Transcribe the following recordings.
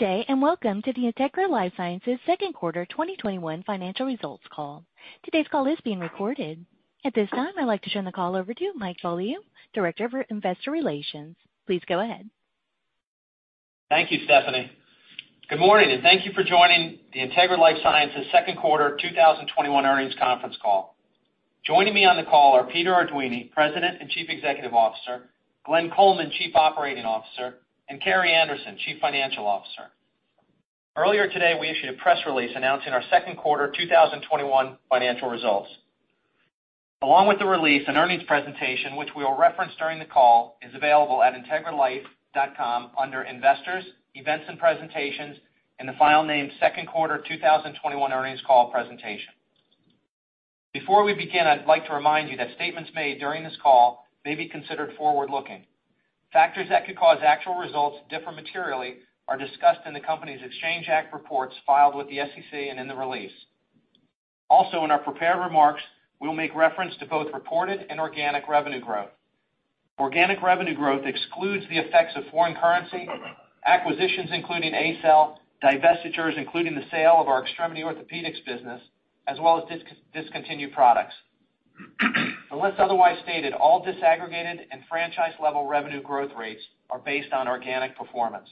Good day, welcome to the Integra LifeSciences second quarter 2021 financial results call. Today's call is being recorded. At this time, I'd like to turn the call over to Mike Beaulieu, Director for Investor Relations. Please go ahead. Thank you, Stephanie. Good morning, and thank you for joining the Integra LifeSciences second quarter 2021 earnings conference call. Joining me on the call are Peter Arduini, President and Chief Executive Officer, Glenn Coleman, Chief Operating Officer, and Carrie Anderson, Chief Financial Officer. Earlier today, we issued a press release announcing our second quarter 2021 financial results. Along with the release, an earnings presentation, which we'll reference during the call, is available at integralife.com under investors, events and presentations, and the file named Second Quarter 2021 Earnings Call Presentation. Before we begin, I'd like to remind you that statements made during this call may be considered forward-looking. Factors that could cause actual results to differ materially are discussed in the company's Exchange Act reports filed with the SEC and in the release. Also, in our prepared remarks, we'll make reference to both reported and organic revenue growth. Organic revenue growth excludes the effects of foreign currency, acquisitions, including ACell, divestitures, including the sale of our Extremity Orthopedics business, as well as discontinued products. Unless otherwise stated, all disaggregated and franchise-level revenue growth rates are based on organic performance.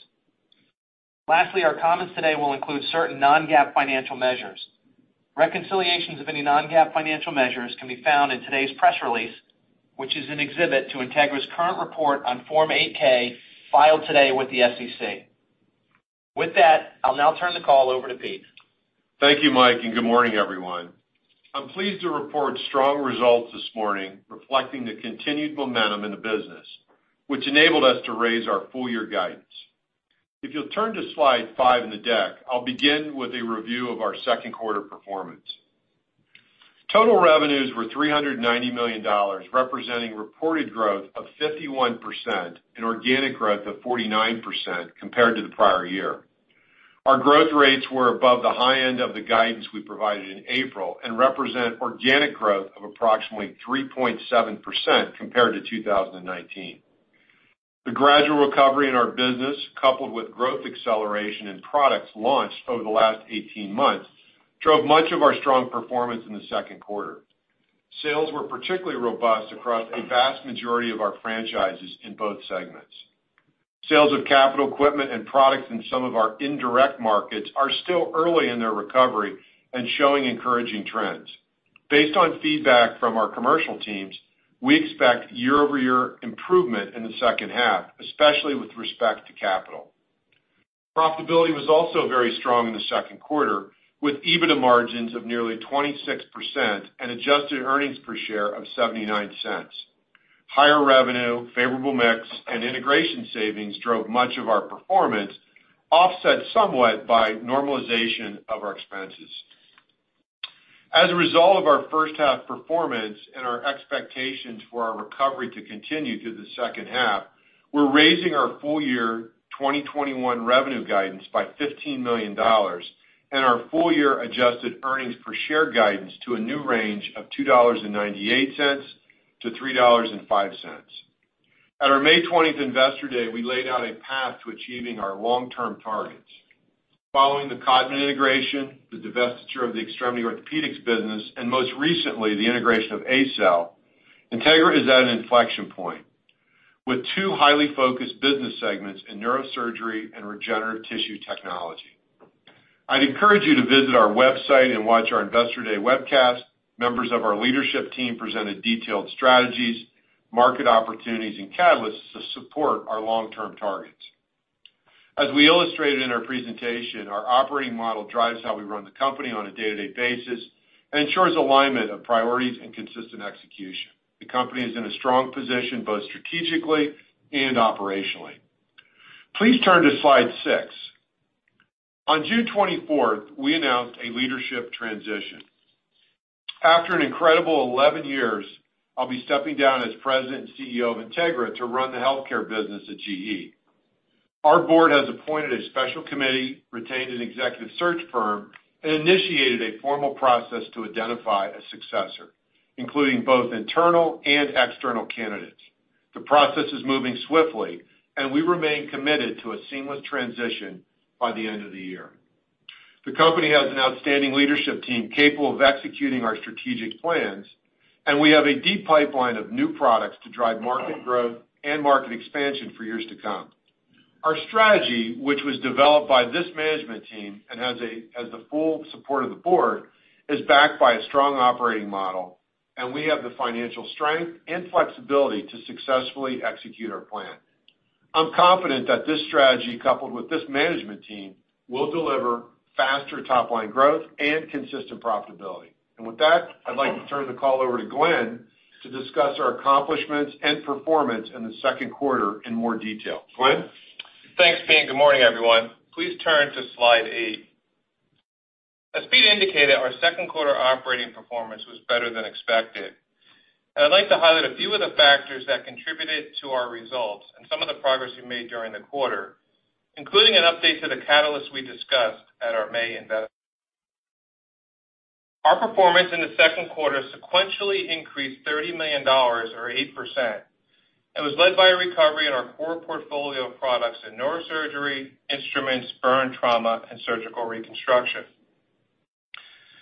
Lastly, our comments today will include certain non-GAAP financial measures. Reconciliations of any non-GAAP financial measures can be found in today's press release, which is an exhibit to Integra's current report on Form 8-K filed today with the SEC. With that, I'll now turn the call over to Pete. Thank you, Mike, and good morning, everyone. I'm pleased to report strong results this morning, reflecting the continued momentum in the business, which enabled us to raise our full-year guidance. If you'll turn to slide five in the deck, I'll begin with a review of our second quarter performance. Total revenues were $390 million, representing reported growth of 51% and organic growth of 49% compared to the prior year. Our growth rates were above the high end of the guidance we provided in April and represent organic growth of approximately 3.7% compared to 2019. The gradual recovery in our business, coupled with growth acceleration and products launched over the last 18 months, drove much of our strong performance in the second quarter. Sales were particularly robust across a vast majority of our franchises in both segments. Sales of capital equipment and products in some of our indirect markets are still early in their recovery and showing encouraging trends. Based on feedback from our commercial teams, we expect year-over-year improvement in the second half, especially with respect to capital. Profitability was also very strong in the second quarter, with EBITDA margins of nearly 26% and adjusted earnings per share of $0.79. Higher revenue, favorable mix, and integration savings drove much of our performance, offset somewhat by normalization of our expenses. As a result of our first half performance and our expectations for our recovery to continue through the second half, we're raising our full-year 2021 revenue guidance by $15 million and our full-year adjusted earnings per share guidance to a new range of $2.98-$3.05. At our May 20th Investor Day, we laid out a path to achieving our long-term targets. Following the Codman integration, the divestiture of the Extremity Orthopedics business, and most recently, the integration of ACell, Integra is at an inflection point with two highly focused business segments in neurosurgery and regenerative tissue technology. I'd encourage you to visit our website and watch our Investor Day webcast. Members of our leadership team presented detailed strategies, market opportunities, and catalysts to support our long-term targets. As we illustrated in our presentation, our operating model drives how we run the company on a day-to-day basis and ensures alignment of priorities and consistent execution. The company is in a strong position, both strategically and operationally. Please turn to slide six. On June 24th, we announced a leadership transition. After an incredible 11 years, I'll be stepping down as President and CEO of Integra to run the healthcare business at GE. Our board has appointed a special committee, retained an executive search firm, and initiated a formal process to identify a successor, including both internal and external candidates. The process is moving swiftly, and we remain committed to a seamless transition by the end of the year. The company has an outstanding leadership team capable of executing our strategic plans, and we have a deep pipeline of new products to drive market growth and market expansion for years to come. Our strategy, which was developed by this management team and has the full support of the board, is backed by a strong operating model, and we have the financial strength and flexibility to successfully execute our plan. I'm confident that this strategy, coupled with this management team, will deliver faster top-line growth and consistent profitability. With that, I'd like to turn the call over to Glenn to discuss our accomplishments and performance in the second quarter in more detail. Glenn? Thanks, Pete. Good morning, everyone. Please turn to slide eight. As Pete indicated, our second quarter operating performance was better than expected, I'd like to highlight a few of the factors that contributed to our results and some of the progress we made during the quarter, including an update to the catalyst we discussed at our May investor Our performance in the second quarter sequentially increased $30 million, or 8%, and was led by a recovery in our core portfolio of products in neurosurgery, instruments, burn trauma, and surgical reconstruction.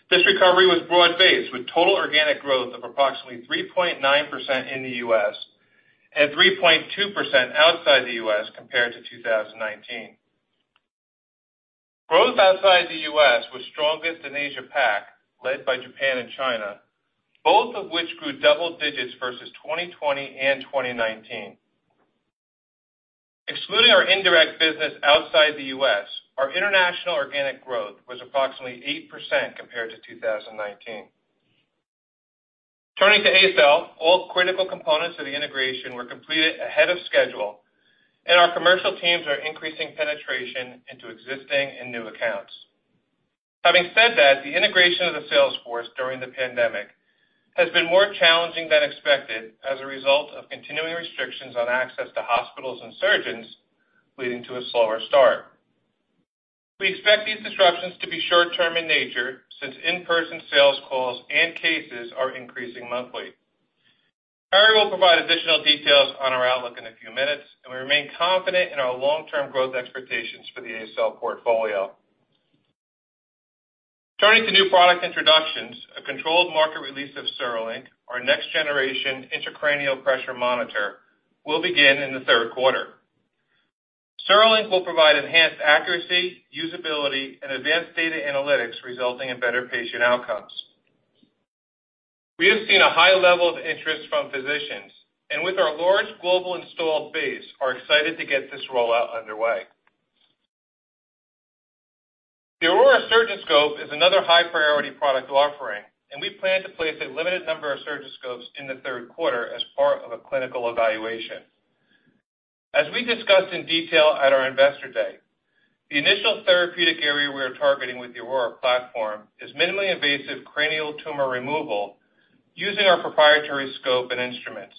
This recovery was broad-based, with total organic growth of approximately 3.9% in the U.S. and 3.2% outside the U.S. compared to 2019. Growth outside the U.S. was strongest in Asia-Pac, led by Japan and China, both of which grew double digits versus 2020 and 2019. Excluding our indirect business outside the U.S., our international organic growth was approximately 8% compared to 2019. Turning to ACell, all critical components of the integration were completed ahead of schedule, and our commercial teams are increasing penetration into existing and new accounts. Having said that, the integration of the sales force during the pandemic has been more challenging than expected as a result of continuing restrictions on access to hospitals and surgeons, leading to a slower start. We expect these disruptions to be short-term in nature, since in-person sales calls and cases are increasing monthly. Carrie will provide additional details on our outlook in a few minutes, and we remain confident in our long-term growth expectations for the ACell portfolio. Turning to new product introductions, a controlled market release of CereLink, our next-generation intracranial pressure monitor, will begin in the third quarter. CereLink will provide enhanced accuracy, usability, and advanced data analytics, resulting in better patient outcomes. We have seen a high level of interest from physicians, and with our large global installed base, are excited to get this rollout underway. The AURORA Surgiscope is another high-priority product offering, and we plan to place a limited number of Surgiscopes in the third quarter as part of a clinical evaluation. As we discussed in detail at our investor day, the initial therapeutic area we are targeting with the AURORA platform is minimally invasive cranial tumor removal using our proprietary scope and instruments.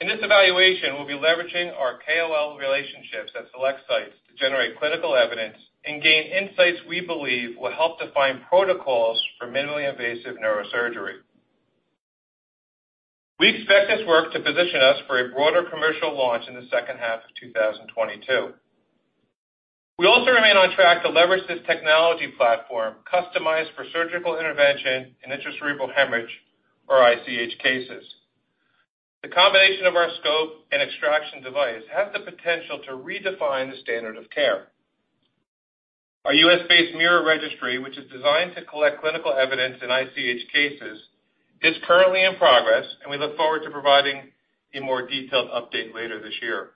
In this evaluation, we'll be leveraging our KOL relationships at select sites to generate clinical evidence and gain insights we believe will help define protocols for minimally invasive neurosurgery. We expect this work to position us for a broader commercial launch in the second half of 2022. We also remain on track to leverage this technology platform customized for surgical intervention in intracerebral hemorrhage, or ICH cases. The combination of our scope and extraction device has the potential to redefine the standard of care. Our U.S.-based mirror registry, which is designed to collect clinical evidence in ICH cases, is currently in progress, and we look forward to providing a more detailed update later this year.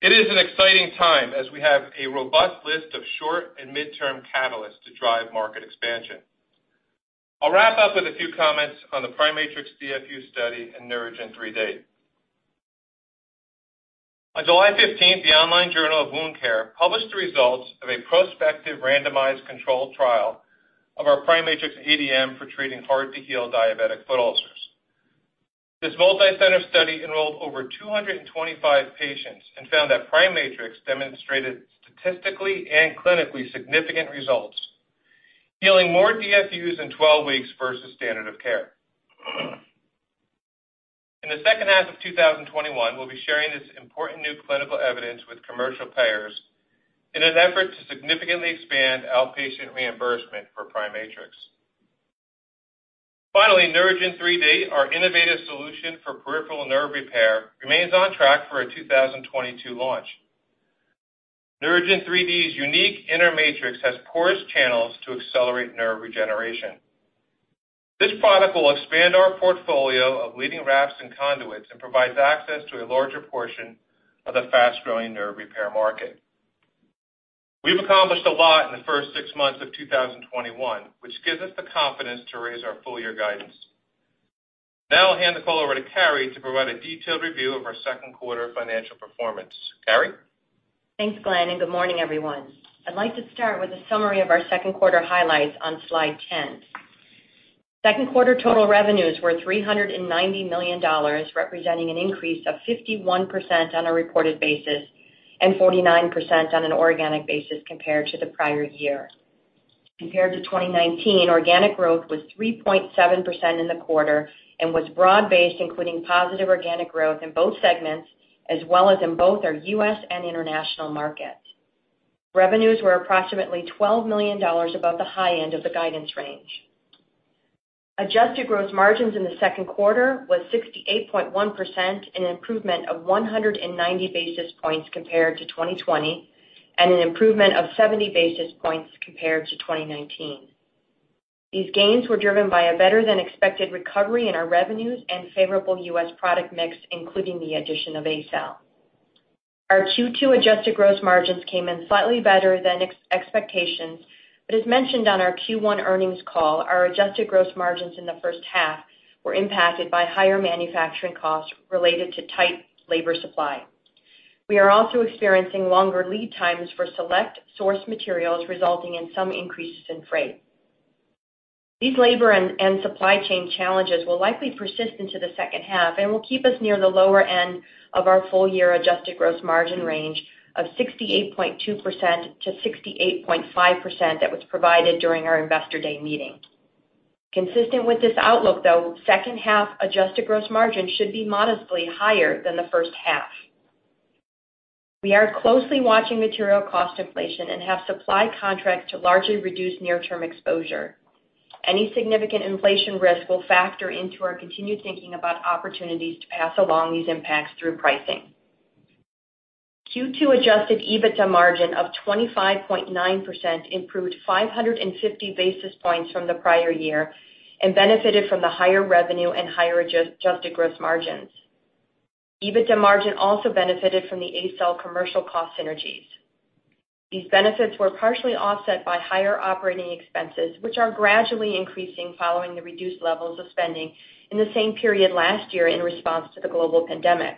It is an exciting time, as we have a robust list of short- and mid-term catalysts to drive market expansion. I'll wrap up with a few comments on the PriMatrix DFU study and NeuraGen 3D. On July 15th, the "Journal of Wound Care" published the results of a prospective randomized controlled trial of our PriMatrix EDM for treating hard-to-heal diabetic foot ulcers. This multi-center study enrolled over 225 patients and found that PriMatrix demonstrated statistically and clinically significant results, healing more DFUs in 12 weeks versus standard of care. In the second half of 2021, we'll be sharing this important new clinical evidence with commercial payers in an effort to significantly expand outpatient reimbursement for PriMatrix. Finally, NeuraGen 3D, our innovative solution for peripheral nerve repair, remains on track for a 2022 launch. NeuraGen 3D's unique inner matrix has porous channels to accelerate nerve regeneration. This product will expand our portfolio of leading rafts and conduits and provides access to a larger portion of the fast-growing nerve repair market. We've accomplished a lot in the first six months of 2021, which gives us the confidence to raise our full-year guidance. Now I'll hand the call over to Carrie to provide a detailed review of our second quarter financial performance. Carrie? Thanks, Glenn. Good morning, everyone. I'd like to start with a summary of our second quarter highlights on slide 10. Second quarter total revenues were $390 million, representing an increase of 51% on a reported basis and 49% on an organic basis compared to the prior year. Compared to 2019, organic growth was 3.7% in the quarter and was broad-based, including positive organic growth in both segments as well as in both our U.S. and international markets. Revenues were approximately $12 million above the high end of the guidance range. Adjusted gross margins in the second quarter was 68.1%, an improvement of 190 basis points compared to 2020, and an improvement of 70 basis points compared to 2019. These gains were driven by a better-than-expected recovery in our revenues and favorable U.S. product mix, including the addition of ACell. Our Q2 adjusted gross margins came in slightly better than expectations. As mentioned on our Q1 earnings call, our adjusted gross margins in the first half were impacted by higher manufacturing costs related to tight labor supply. We are also experiencing longer lead times for select source materials, resulting in some increases in freight. These labor and supply chain challenges will likely persist into the second half and will keep us near the lower end of our full-year adjusted gross margin range of 68.2%-68.5% that was provided during our Investor Day meeting. Consistent with this outlook, though, second half adjusted gross margin should be modestly higher than the first half. We are closely watching material cost inflation and have supply contracts to largely reduce near-term exposure. Any significant inflation risk will factor into our continued thinking about opportunities to pass along these impacts through pricing. Q2 adjusted EBITDA margin of 25.9% improved 550 basis points from the prior year and benefited from the higher revenue and higher adjusted gross margins. EBITDA margin also benefited from the ACell commercial cost synergies. These benefits were partially offset by higher operating expenses, which are gradually increasing following the reduced levels of spending in the same period last year in response to the global pandemic.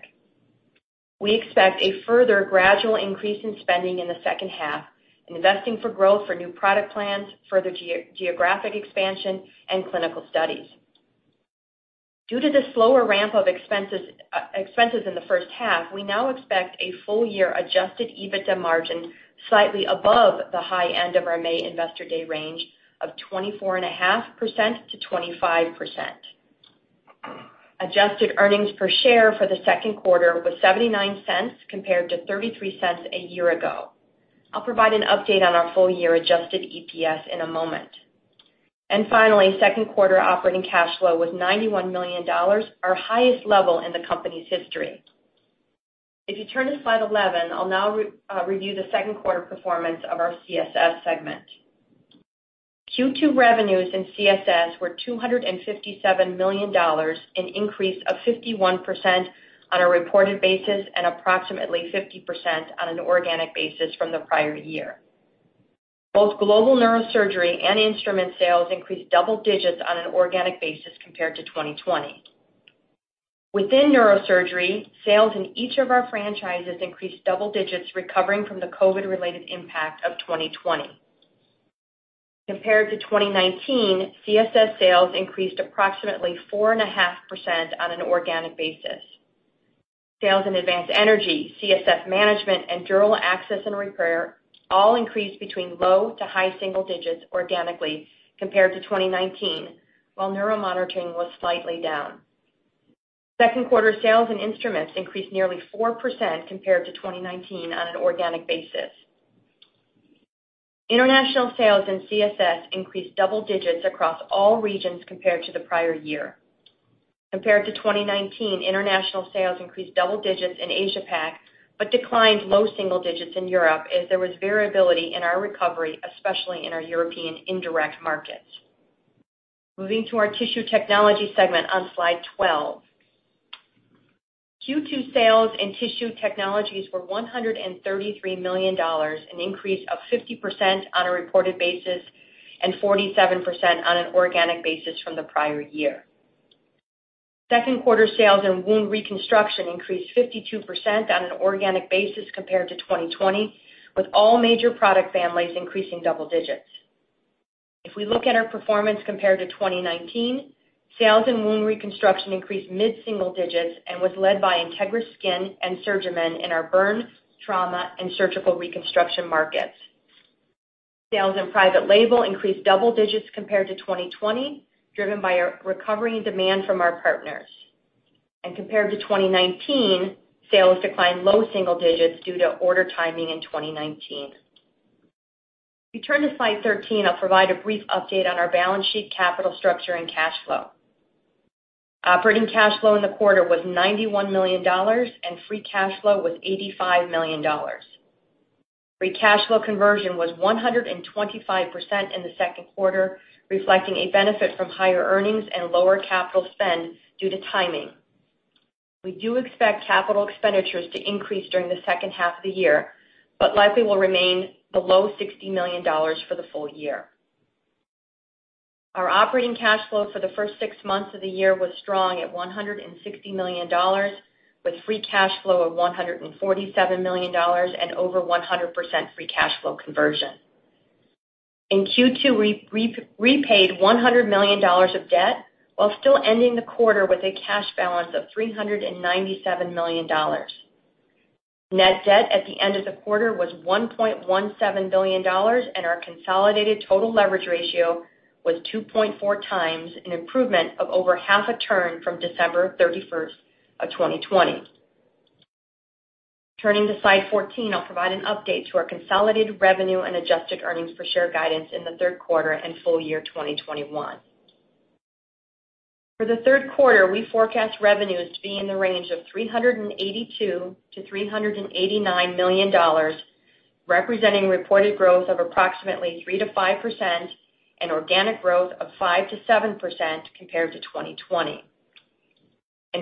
We expect a further gradual increase in spending in the second half in investing for growth for new product plans, further geographic expansion, and clinical studies. Due to the slower ramp of expenses in the first half, we now expect a full-year adjusted EBITDA margin slightly above the high end of our May Investor Day range of 24.5%-25%. Adjusted earnings per share for the second quarter was $0.79 compared to $0.33 a year ago. I'll provide an update on our full-year adjusted EPS in a moment. Finally, second quarter operating cash flow was $91 million, our highest level in the company's history. If you turn to slide 11, I'll now review the second quarter performance of our CSS segment. Q2 revenues in CSS were $257 million, an increase of 51% on a reported basis and approximately 50% on an organic basis from the prior year. Both global neurosurgery and instrument sales increased double digits on an organic basis compared to 2020. Within neurosurgery, sales in each of our franchises increased double digits, recovering from the COVID-related impact of 2020. Compared to 2019, CSS sales increased approximately 4.5% on an organic basis. Sales in advanced energy, CSF management, and dural access and repair all increased between low to high-single-digits organically compared to 2019, while neuromonitoring was slightly down. Second quarter sales and instruments increased nearly 4% compared to 2019 on an organic basis. International sales in CSS increased double digits across all regions compared to the prior year. Compared to 2019, international sales increased double digits in Asia-Pac, but declined low-single-digits in Europe as there was variability in our recovery, especially in our European indirect markets. Moving to our tissue technology segment on slide 12. Q2 sales in tissue technologies were $133 million, an increase of 50% on a reported basis and 47% on an organic basis from the prior year. Second quarter sales in wound reconstruction increased 52% on an organic basis compared to 2020, with all major product families increasing double digits. If we look at our performance compared to 2019, sales in wound reconstruction increased mid-single-digits and was led by Integra Skin and SurgiMend in our burn, trauma, and surgical reconstruction markets. Sales in private label increased double digits compared to 2020, driven by a recovery in demand from our partners. Compared to 2019, sales declined low-single-digits due to order timing in 2019. If you turn to slide 13, I will provide a brief update on our balance sheet capital structure and cash flow. Operating cash flow in the quarter was $91 million, and free cash flow was $85 million. Free cash flow conversion was 125% in the second quarter, reflecting a benefit from higher earnings and lower capital spend due to timing. We do expect capital expenditures to increase during the second half of the year, but likely will remain below $60 million for the full year. Our operating cash flow for the first six months of the year was strong at $160 million, with free cash flow of $147 million and over 100% free cash flow conversion. In Q2, we repaid $100 million of debt while still ending the quarter with a cash balance of $397 million. Net debt at the end of the quarter was $1.17 billion, and our consolidated total leverage ratio was 2.4x, an improvement of over half a turn from December 31st of 2020. Turning to slide 14, I'll provide an update to our consolidated revenue and adjusted earnings per share guidance in the third quarter and full year 2021. For the third quarter, we forecast revenues to be in the range of $382 million-$389 million, representing reported growth of approximately 3%-5% and organic growth of 5%-7% compared to 2020.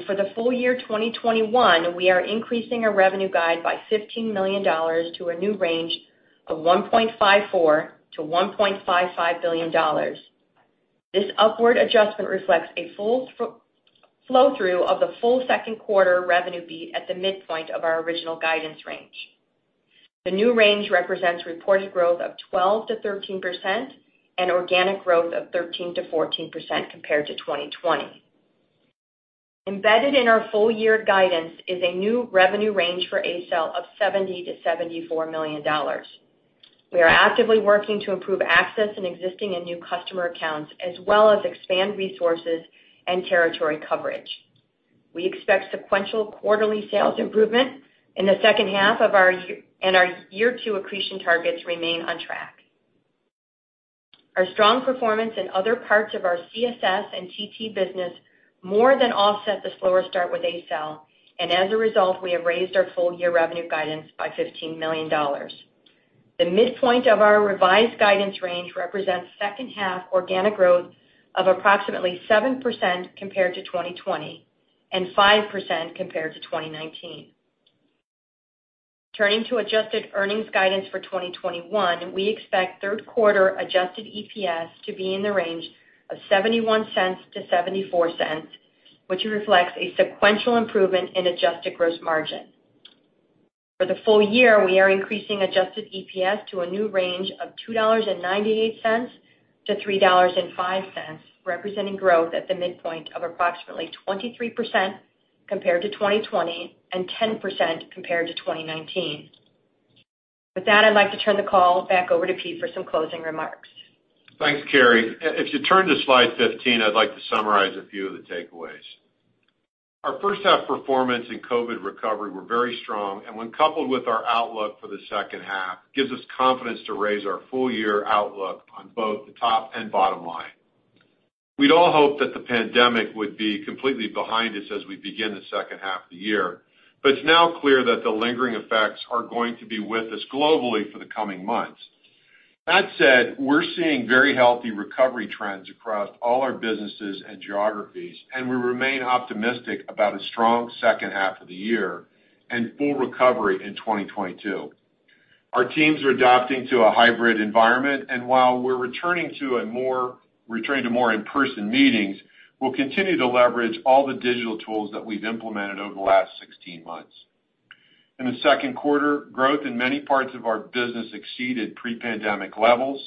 For the full year 2021, we are increasing our revenue guide by $15 million to a new range of $1.54 billion-$1.55 billion. This upward adjustment reflects a full flow-through of the full second quarter revenue beat at the midpoint of our original guidance range. The new range represents reported growth of 12%-13% and organic growth of 13%-14% compared to 2020. Embedded in our full year guidance is a new revenue range for ACell of $70 million-$74 million. We are actively working to improve access in existing and new customer accounts, as well as expand resources and territory coverage. We expect sequential quarterly sales improvement in the second half of our year, and our year two accretion targets remain on track. Our strong performance in other parts of our CSS and TT business more than offset the slower start with ACell, and as a result, we have raised our full-year revenue guidance by $15 million. The midpoint of our revised guidance range represents second half organic growth of approximately 7% compared to 2020 and 5% compared to 2019. Turning to adjusted earnings guidance for 2021, we expect third quarter adjusted EPS to be in the range of $0.71-$0.74, which reflects a sequential improvement in adjusted gross margin. For the full year, we are increasing adjusted EPS to a new range of $2.98-$3.05, representing growth at the midpoint of approximately 23% compared to 2020 and 10% compared to 2019. With that, I'd like to turn the call back over to Pete for some closing remarks. Thanks, Carrie. If you turn to slide 15, I'd like to summarize a few of the takeaways. Our first half performance and COVID recovery were very strong, and when coupled with our outlook for the second half, gives us confidence to raise our full-year outlook on both the top and bottom line. We'd all hoped that the pandemic would be completely behind us as we begin the second half of the year, but it's now clear that the lingering effects are going to be with us globally for the coming months. That said, we're seeing very healthy recovery trends across all our businesses and geographies, and we remain optimistic about a strong second half of the year and full recovery in 2022. Our teams are adapting to a hybrid environment, and while we're returning to more in-person meetings, we'll continue to leverage all the digital tools that we've implemented over the last 16 months. In the second quarter, growth in many parts of our business exceeded pre-pandemic levels.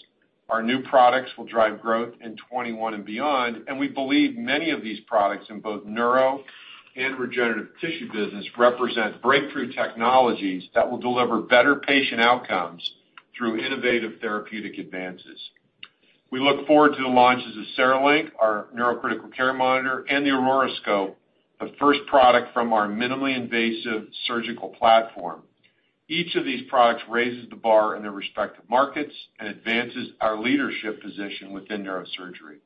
Our new products will drive growth in 2021 and beyond, and we believe many of these products in both neuro and regenerative tissue business represent breakthrough technologies that will deliver better patient outcomes through innovative therapeutic advances. We look forward to the launches of CereLink, our neurocritical care monitor, and the AURORA Scope, the first product from our minimally invasive surgical platform. Each of these products raises the bar in their respective markets and advances our leadership position within neurosurgery.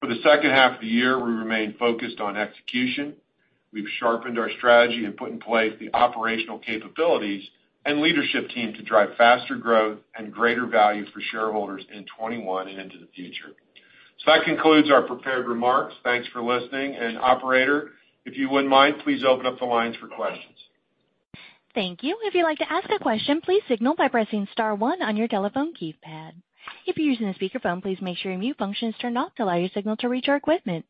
For the second half of the year, we remain focused on execution. We've sharpened our strategy and put in place the operational capabilities and leadership team to drive faster growth and greater value for shareholders in 2021 and into the future. That concludes our prepared remarks. Thanks for listening. Operator, if you wouldn't mind, please open up the lines for questions. Thank you. If you like to ask a question, please signal by pressing star one on your telephone keypad. If your using a speaker phone, please make sure a mute function is turn off till I use signal to reach your equipment.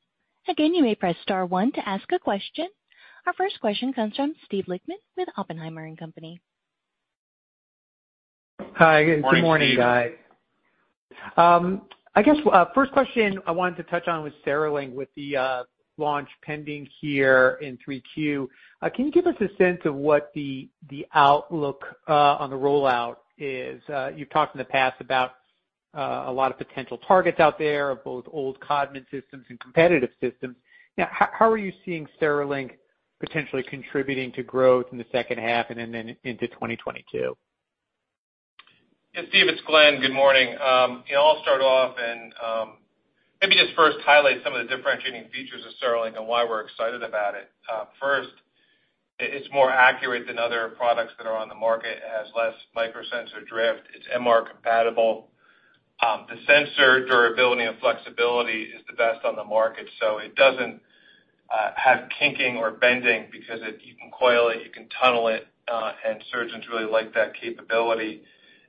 Again, you may press star one to ask a question. Our first question comes from Steve Lichtman with Oppenheimer & Company. Hi, good morning, guys. Morning, Steve. I guess, first question I wanted to touch on was CereLink with the launch pending here in 3Q. Can you give us a sense of what the outlook on the rollout is? You've talked in the past about a lot of potential targets out there of both old Codman systems and competitive systems. How are you seeing CereLink potentially contributing to growth in the second half and then into 2022? Yeah, Steve, it's Glenn. Good morning. I'll start off and maybe just first highlight some of the differentiating features of CereLink and why we're excited about it. First, it's more accurate than other products that are on the market. It has less microsensor drift. It's MR compatible. The sensor durability and flexibility is the best on the market, so it doesn't have kinking or bending because you can coil it, you can tunnel it, and surgeons really like that capability.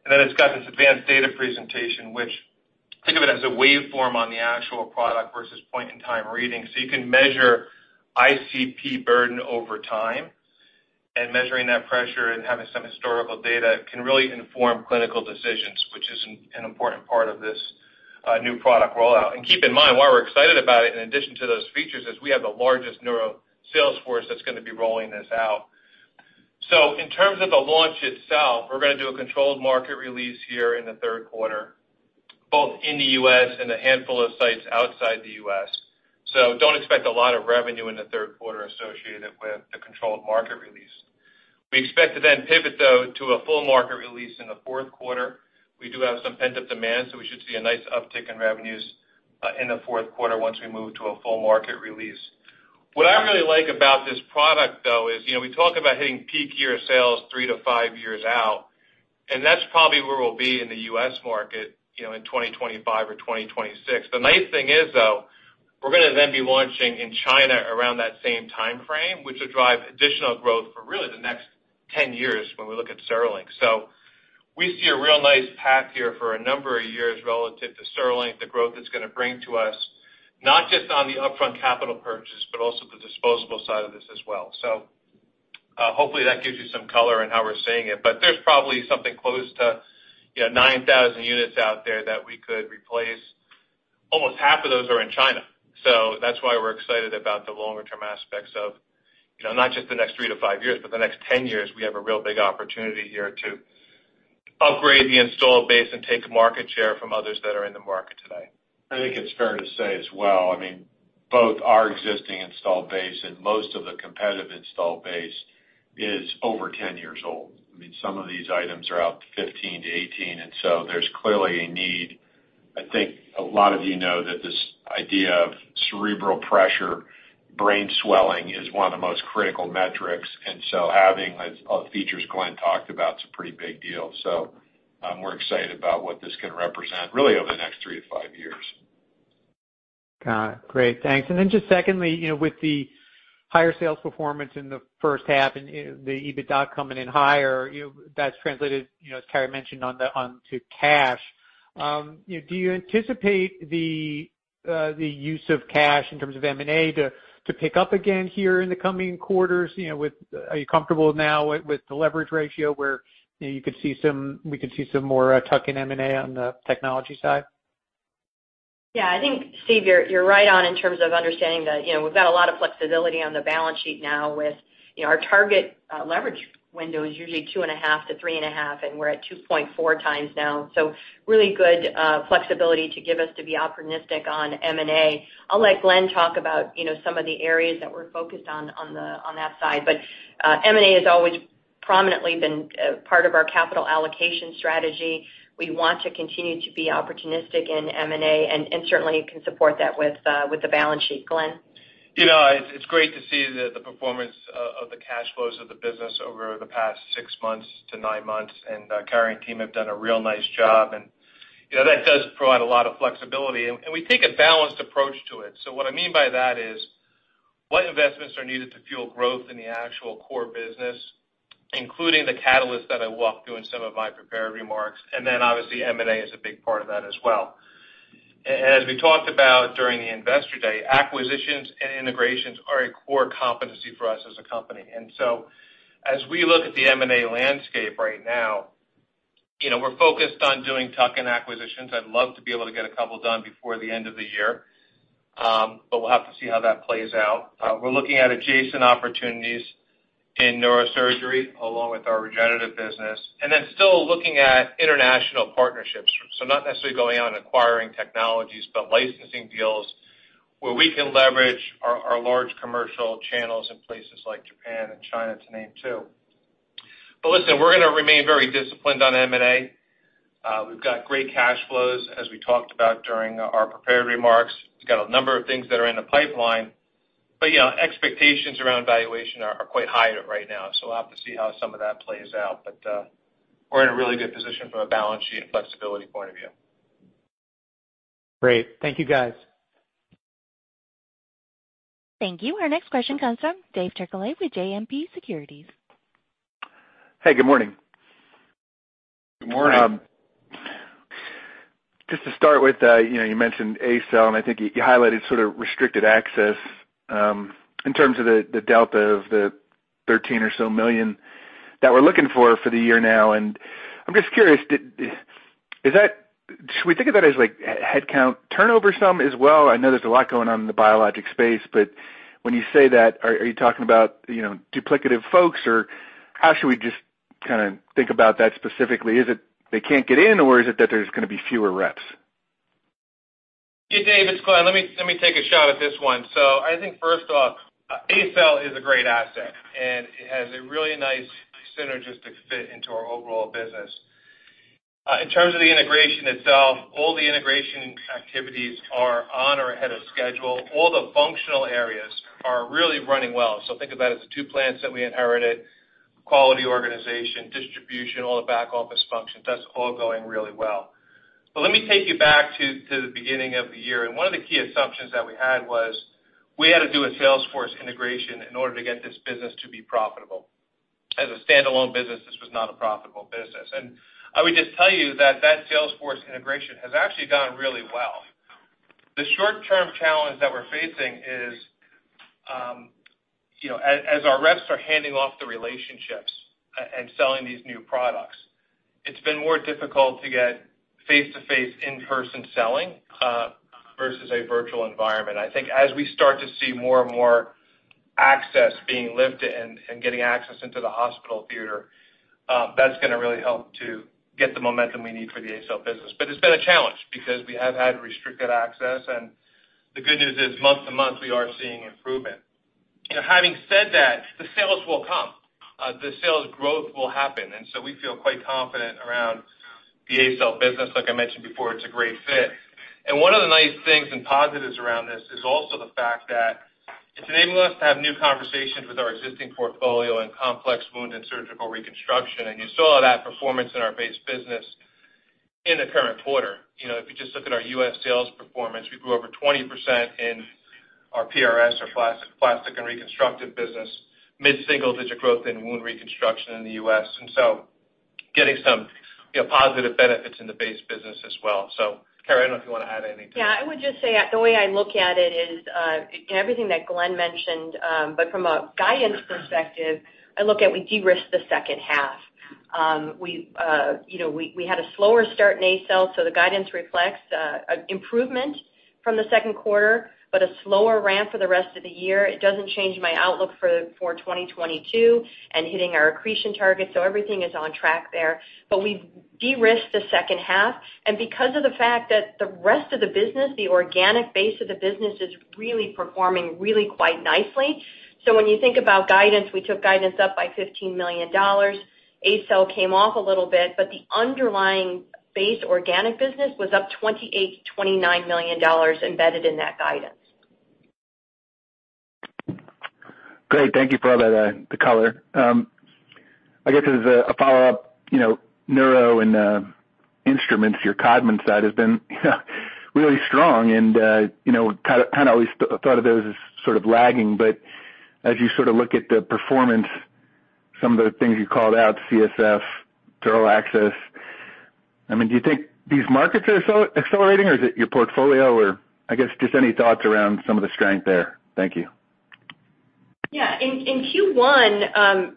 Then it's got this advanced data presentation, which think of it as a waveform on the actual product versus point-in-time reading. You can measure ICP burden over time, and measuring that pressure and having some historical data can really inform clinical decisions, which is an important part of this new product rollout. Keep in mind why we're excited about it in addition to those features, is we have the largest neuro sales force that's going to be rolling this out. In terms of the launch itself, we're going to do a controlled market release here in the third quarter, both in the U.S. and a handful of sites outside the U.S. Don't expect a lot of revenue in the third quarter associated with the controlled market release. We expect to then pivot, though, to a full market release in the fourth quarter. We do have some pent-up demand, so we should see a nice uptick in revenues in the fourth quarter once we move to a full market release. What I really like about this product, though, is we talk about hitting peak year sales three to five years out, and that's probably where we'll be in the U.S. market in 2025 or 2026. The nice thing is, though, we're going to then be launching in China around that same time frame, which will drive additional growth for really the next 10 years when we look at CereLink. We see a real nice path here for a number of years relative to CereLink, the growth it's going to bring to us, not just on the upfront capital purchase, but also the disposable side of this as well. Hopefully that gives you some color on how we're seeing it. There's probably something close to 9,000 units out there that we could replace. Almost half of those are in China. That's why we're excited about the longer-term aspects of not just the next three to five years, but the next 10 years, we have a real big opportunity here to upgrade the installed base and take market share from others that are in the market today. I think it's fair to say as well, both our existing installed base and most of the competitive installed base is over 10 years old. Some of these items are out 15-18, and so there's clearly a need. I think a lot of you know that this idea of cerebral pressure, brain swelling is one of the most critical metrics, and so having features Glenn talked about is a pretty big deal. We're excited about what this can represent, really over the next three to five years. Got it. Great. Thanks. Then just secondly, with the higher sales performance in the first half and the EBITDA coming in higher, that's translated, as Carrie mentioned, onto cash. Do you anticipate the use of cash in terms of M&A to pick up again here in the coming quarters? Are you comfortable now with the leverage ratio where we could see some more tuck-in M&A on the technology side? Yeah, I think, Steve, you're right on in terms of understanding that we've got a lot of flexibility on the balance sheet now with our target leverage window is usually 2.5x-3.5x, and we're at 2.4x now. Really good flexibility to give us to be opportunistic on M&A. I'll let Glenn talk about some of the areas that we're focused on that side. M&A has always prominently been part of our capital allocation strategy. We want to continue to be opportunistic in M&A, and certainly can support that with the balance sheet. Glenn? It's great to see the performance of the cash flows of the business over the past six months to nine months. Carrie and team have done a real nice job, and that does provide a lot of flexibility. What I mean by that is, what investments are needed to fuel growth in the actual core business, including the catalyst that I walked through in some of my prepared remarks. Then obviously M&A is a big part of that as well. As we talked about during the investor day, acquisitions and integrations are a core competency for us as a company. As we look at the M&A landscape right now, we're focused on doing tuck-in acquisitions. I'd love to be able to get a couple done before the end of the year, but we'll have to see how that plays out. We're looking at adjacent opportunities in neurosurgery, along with our regenerative business, and then still looking at international partnerships. Not necessarily going out and acquiring technologies, but licensing deals where we can leverage our large commercial channels in places like Japan and China to name two. Listen, we're going to remain very disciplined on M&A. We've got great cash flows, as we talked about during our prepared remarks. We've got a number of things that are in the pipeline, but expectations around valuation are quite high right now, so we'll have to see how some of that plays out. We're in a really good position from a balance sheet and flexibility point of view. Great. Thank you, guys. Thank you. Our next question comes from David Turkaly with JMP Securities. Hey, good morning. Good morning. Just to start with, you mentioned ACell, and I think you highlighted sort of restricted access, in terms of the delta of the $13 million or so that we're looking for for the year now. I'm just curious, should we think of that as like headcount turnover some as well? I know there's a lot going on in the biologic space, when you say that, are you talking about duplicative folks, or how should we just kind of think about that specifically? Is it they can't get in, or is it that there's going to be fewer reps? Hey, Dave, it's Glenn. Let me take a shot at this one. I think first off, ACell is a great asset, and it has a really nice synergistic fit into our overall business. In terms of the integration itself, all the integration activities are on or ahead of schedule. All the functional areas are really running well. Think about it as the two plants that we inherited, quality, organization, distribution, all the back office functions. That's all going really well. Let me take you back to the beginning of the year. One of the key assumptions that we had was we had to do a salesforce integration in order to get this business to be profitable. As a standalone business, this was not a profitable business. I would just tell you that that salesforce integration has actually gone really well. The short-term challenge that we're facing is, as our reps are handing off the relationships and selling these new products, it's been more difficult to get face-to-face in-person selling versus a virtual environment. I think as we start to see more and more access being lifted and getting access into the hospital theater, that's going to really help to get the momentum we need for the ACell business. It's been a challenge because we have had restricted access, and the good news is month to month, we are seeing improvement. Having said that, the sales will come. The sales growth will happen. We feel quite confident around the ACell business. Like I mentioned before, it's a great fit. One of the nice things and positives around this is also the fact that it's enabling us to have new conversations with our existing portfolio in complex wound and surgical reconstruction. You saw that performance in our base business in the current quarter. If you just look at our U.S. sales performance, we grew over 20% in our PRS, our plastic and reconstructive business, mid-single-digit growth in wound reconstruction in the U.S. Getting some positive benefits in the base business as well. Carrie, I don't know if you want to add anything. Yeah, I would just say that the way I look at it is, and everything that Glenn mentioned, but from a guidance perspective, I look at we de-risked the second half. We had a slower start in ACell, so the guidance reflects improvement from the second quarter, but a slower ramp for the rest of the year. It doesn't change my outlook for 2022 and hitting our accretion targets, so everything is on track there. We've de-risked the second half, and because of the fact that the rest of the business, the organic base of the business, is really performing really quite nicely. When you think about guidance, we took guidance up by $15 million. ACell came off a little bit, but the underlying base organic business was up $28 million-$29 million embedded in that guidance. Great. Thank you for all the color. I guess as a follow-up, neuro and instruments, your Codman side has been really strong and kind of always thought of those as sort of lagging, but as you sort of look at the performance, some of the things you called out, CSF, neuro access. Do you think these markets are accelerating or is it your portfolio or I guess just any thoughts around some of the strength there? Thank you. Yeah. In Q1,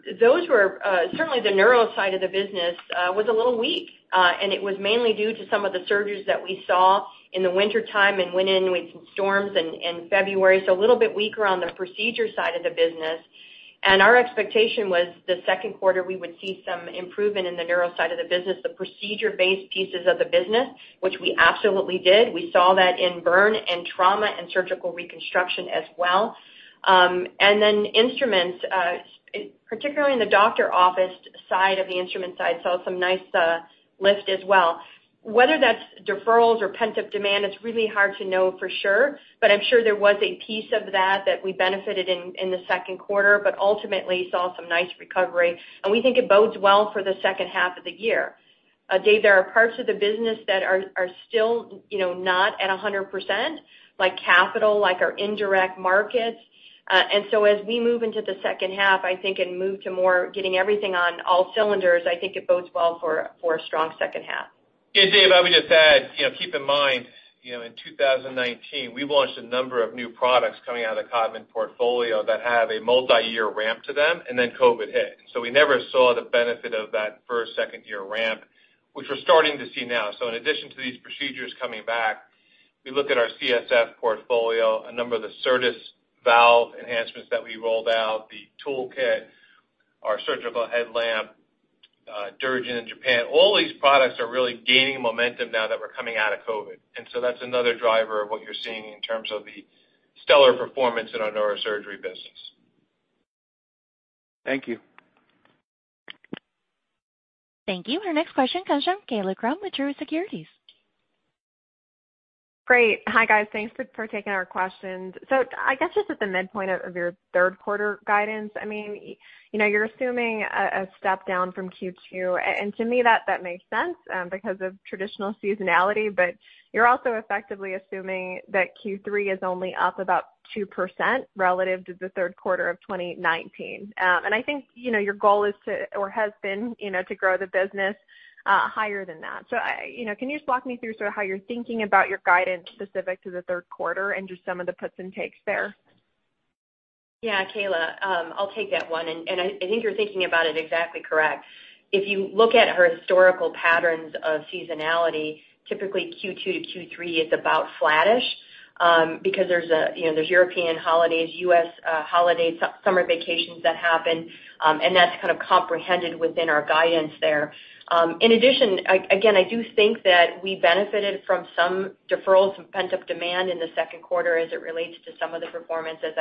certainly the neuro side of the business was a little weak, and it was mainly due to some of the surgeries that we saw in the wintertime and went in with some storms in February. A little bit weaker on the procedure side of the business. Our expectation was the second quarter we would see some improvement in the neuro side of the business, the procedure-based pieces of the business, which we absolutely did. We saw that in burn and trauma and surgical reconstruction as well. Then instruments, particularly in the doctor office side of the instrument side, saw some nice lift as well. Whether that's deferrals or pent-up demand, it's really hard to know for sure, but I'm sure there was a piece of that that we benefited in the second quarter, but ultimately saw some nice recovery, and we think it bodes well for the second half of the year. Dave, there are parts of the business that are still not at 100%, like capital, like our indirect markets. So as we move into the second half, I think, and move to more getting everything on all cylinders, I think it bodes well for a strong second half. Yeah, Dave, I would just add, keep in mind, in 2019, we launched a number of new products coming out of the Codman portfolio that have a multi-year ramp to them. COVID hit. We never saw the benefit of that first, second-year ramp, which we're starting to see now. In addition to these procedures coming back, we look at our CSF portfolio, a number of the Certas Plus valve enhancements that we rolled out, the toolkit, our surgical headlamp, DuraGen in Japan. All these products are really gaining momentum now that we're coming out of COVID. That's another driver of what you're seeing in terms of the stellar performance in our neurosurgery business. Thank you. Thank you. Our next question comes from Kaila Krum with Truist Securities. Great. Hi, guys. Thanks for taking our questions. I guess just at the midpoint of your third quarter guidance, you're assuming a step down from Q2, and to me, that makes sense because of traditional seasonality, but you're also effectively assuming that Q3 is only up about 2% relative to the third quarter of 2019. I think your goal is to or has been to grow the business higher than that. Can you just walk me through sort of how you're thinking about your guidance specific to the third quarter and just some of the puts and takes there? Yeah, Kaila, I'll take that one. I think you're thinking about it exactly correct. If you look at our historical patterns of seasonality, typically Q2 to Q3 is about flattish because there's European holidays, U.S. holidays, summer vacations that happen, and that's kind of comprehended within our guidance there. In addition, again, I do think that we benefited from some deferrals from pent-up demand in the second quarter as it relates to some of the performance as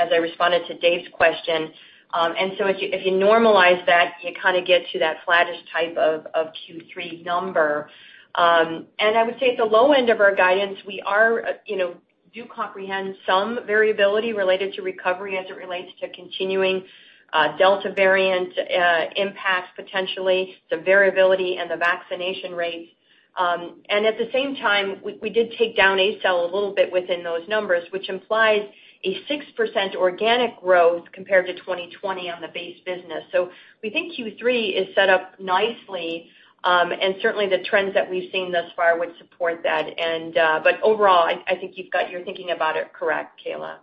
I responded to Dave's question. So if you normalize that, you kind of get to that flattish type of Q3 number. I would say at the low end of our guidance, we do comprehend some variability related to recovery as it relates to continuing Delta variant impacts potentially, the variability and the vaccination rates. At the same time, we did take down ACell a little bit within those numbers, which implies a 6% organic growth compared to 2020 on the base business. We think Q3 is set up nicely, and certainly the trends that we've seen thus far would support that. Overall, I think you're thinking about it correct, Kaila.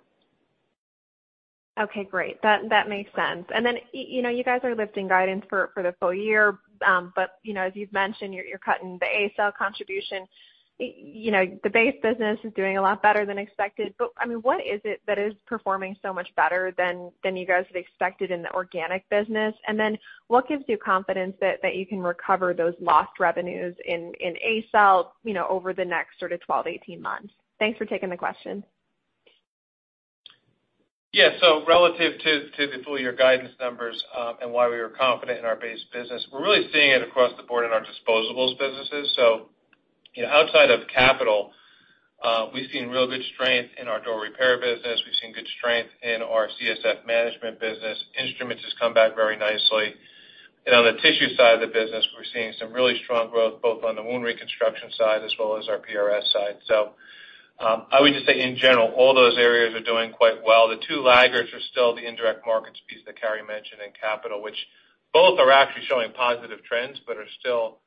Okay, great. That makes sense. You guys are lifting guidance for the full year, but as you've mentioned, you're cutting the ACell contribution. The base business is doing a lot better than expected, but what is it that is performing so much better than you guys had expected in the organic business? What gives you confidence that you can recover those lost revenues in ACell over the next sort of 12-18 months? Thanks for taking the question. Yeah. Relative to the full-year guidance numbers and why we were confident in our base business, we're really seeing it across the board in our disposables businesses. Outside of capital. We've seen real good strength in our dural repair business. We've seen good strength in our CSF management business. Instruments has come back very nicely. On the tissue side of the business, we're seeing some really strong growth, both on the wound reconstruction side as well as our PRS side. I would just say in general, all those areas are doing quite well. The two laggards are still the indirect markets piece that Carrie mentioned and capital, which both are actually showing positive trends but are still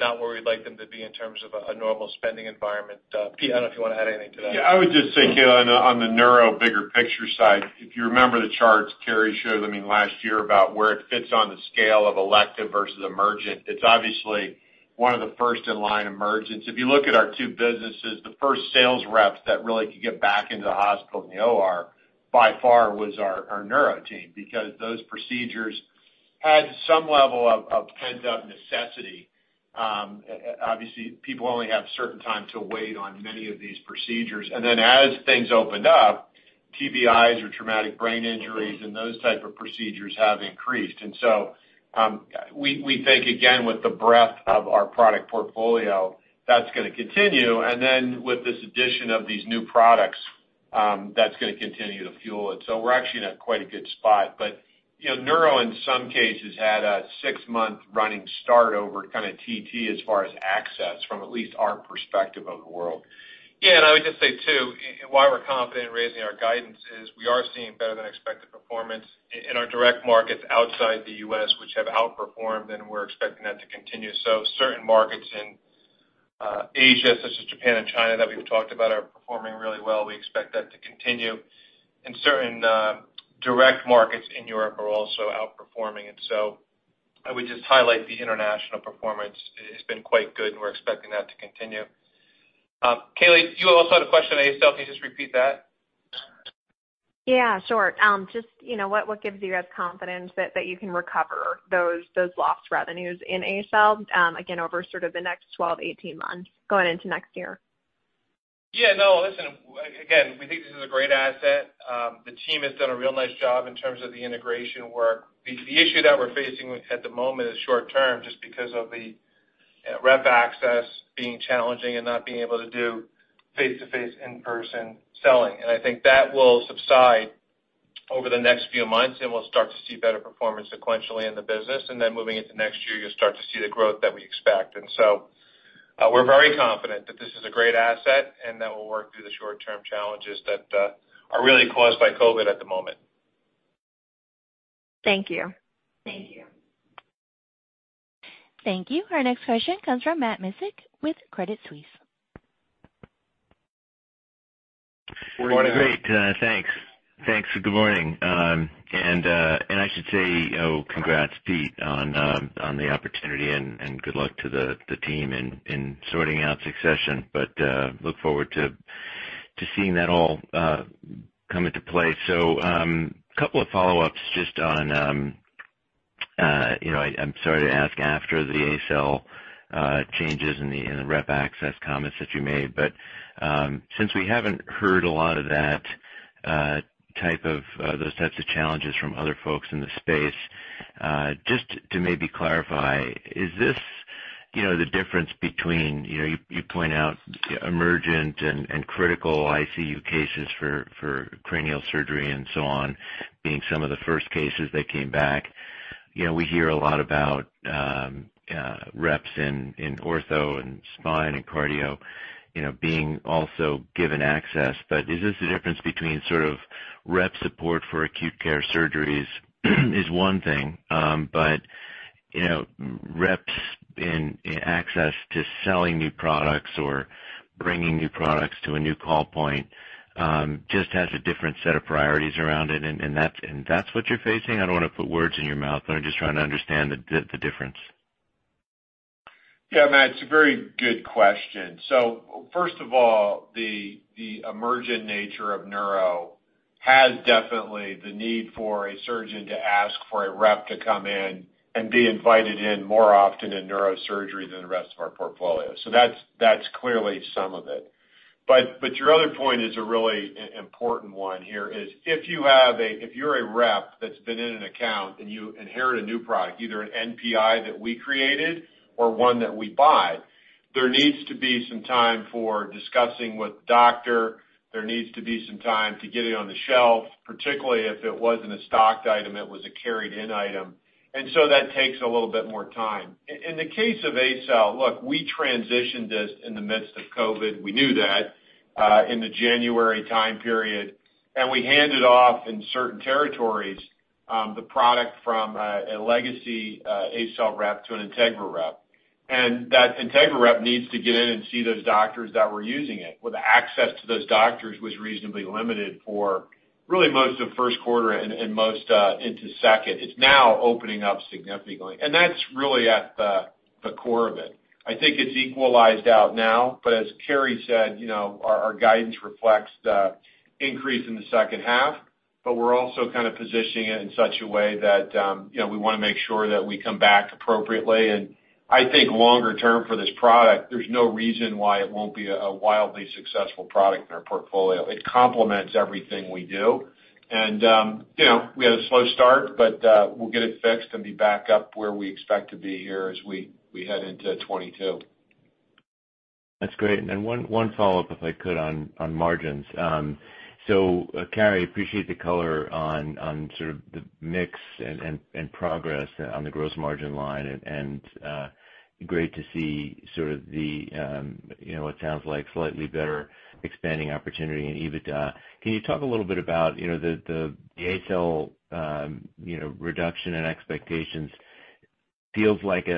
not where we'd like them to be in terms of a normal spending environment. Pete, I don't know if you want to add anything to that. I would just say, Kaila, on the neuro bigger picture side, if you remember the charts Carrie showed, I mean, last year about where it fits on the scale of elective versus emergent, it's obviously one of the first in line emergents. If you look at our two businesses, the first sales reps that really could get back into the hospital in the OR, by far was our neuro team because those procedures had some level of pent-up necessity. Obviously, people only have a certain time to wait on many of these procedures. As things opened up, TBIs or traumatic brain injuries and those type of procedures have increased. We think, again, with the breadth of our product portfolio, that's going to continue. With this addition of these new products, that's going to continue to fuel it. We're actually in quite a good spot. Neuro, in some cases, had a six-month running start over kind of TT as far as access from at least our perspective of the world. Yeah, I would just say, too, why we're confident in raising our guidance is we are seeing better than expected performance in our direct markets outside the U.S., which have outperformed, and we're expecting that to continue. Certain markets in Asia, such as Japan and China, that we've talked about, are performing really well. We expect that to continue. Certain direct markets in Europe are also outperforming. I would just highlight the international performance has been quite good, and we're expecting that to continue. Kaila, you also had a question on ACell. Can you just repeat that? Yeah, sure. Just what gives you guys confidence that you can recover those lost revenues in ACell, again, over sort of the next 12, 18 months going into next year? Yeah, no, listen. Again, we think this is a great asset. The team has done a real nice job in terms of the integration work. The issue that we're facing at the moment is short-term just because of the rep access being challenging and not being able to do face-to-face in-person selling. I think that will subside over the next few months, and we'll start to see better performance sequentially in the business. Moving into next year, you'll start to see the growth that we expect. We're very confident that this is a great asset and that we'll work through the short-term challenges that are really caused by COVID at the moment. Thank you. Thank you. Our next question comes from Matt Miksic with Credit Suisse. Morning. Morning. Great. Thanks. Good morning. I should say, congrats, Pete, on the opportunity and good luck to the team in sorting out succession. Look forward to seeing that all come into play. A couple of follow-ups just on, I'm sorry to ask after the ACell changes and the rep access comments that you made. Since we haven't heard a lot of those types of challenges from other folks in the space, just to maybe clarify, is this the difference between, you point out emergent and critical ICU cases for cranial surgery and so on being some of the first cases that came back. We hear a lot about reps in ortho and spine and cardio being also given access. Is this the difference between sort of rep support for acute care surgeries is one thing, but reps and access to selling new products or bringing new products to a new call point just has a different set of priorities around it, and that's what you're facing? I don't want to put words in your mouth, but I'm just trying to understand the difference. Yeah, Matt, it's a very good question. First of all, the emergent nature of neuro has definitely the need for a surgeon to ask for a rep to come in and be invited in more often in neurosurgery than the rest of our portfolio. That's clearly some of it. Your other point is a really important one here is if you're a rep that's been in an account and you inherit a new product, either an NPI that we created or one that we buy, there needs to be some time for discussing with doctor. There needs to be some time to get it on the shelf, particularly if it wasn't a stocked item, it was a carried in item. That takes a little bit more time. In the case of ACell, look, we transitioned this in the midst of COVID. We knew that in the January time period, we handed off in certain territories the product from a legacy ACell rep to an Integra rep. That Integra rep needs to get in and see those doctors that were using it. Well, the access to those doctors was reasonably limited for really most of first quarter and most into second. It's now opening up significantly. That's really at the core of it. I think it's equalized out now. As Carrie said, our guidance reflects the increase in the second half, but we're also kind of positioning it in such a way that we want to make sure that we come back appropriately. I think longer-term for this product, there's no reason why it won't be a wildly successful product in our portfolio. It complements everything we do. We had a slow start, but we'll get it fixed and be back up where we expect to be here as we head into 2022. That's great. One follow-up, if I could, on margins. Carrie, appreciate the color on the mix and progress on the gross margin line and great to see what sounds like slightly better expanding opportunity in EBITDA. Can you talk a little bit about the ACell reduction in expectations? Feels like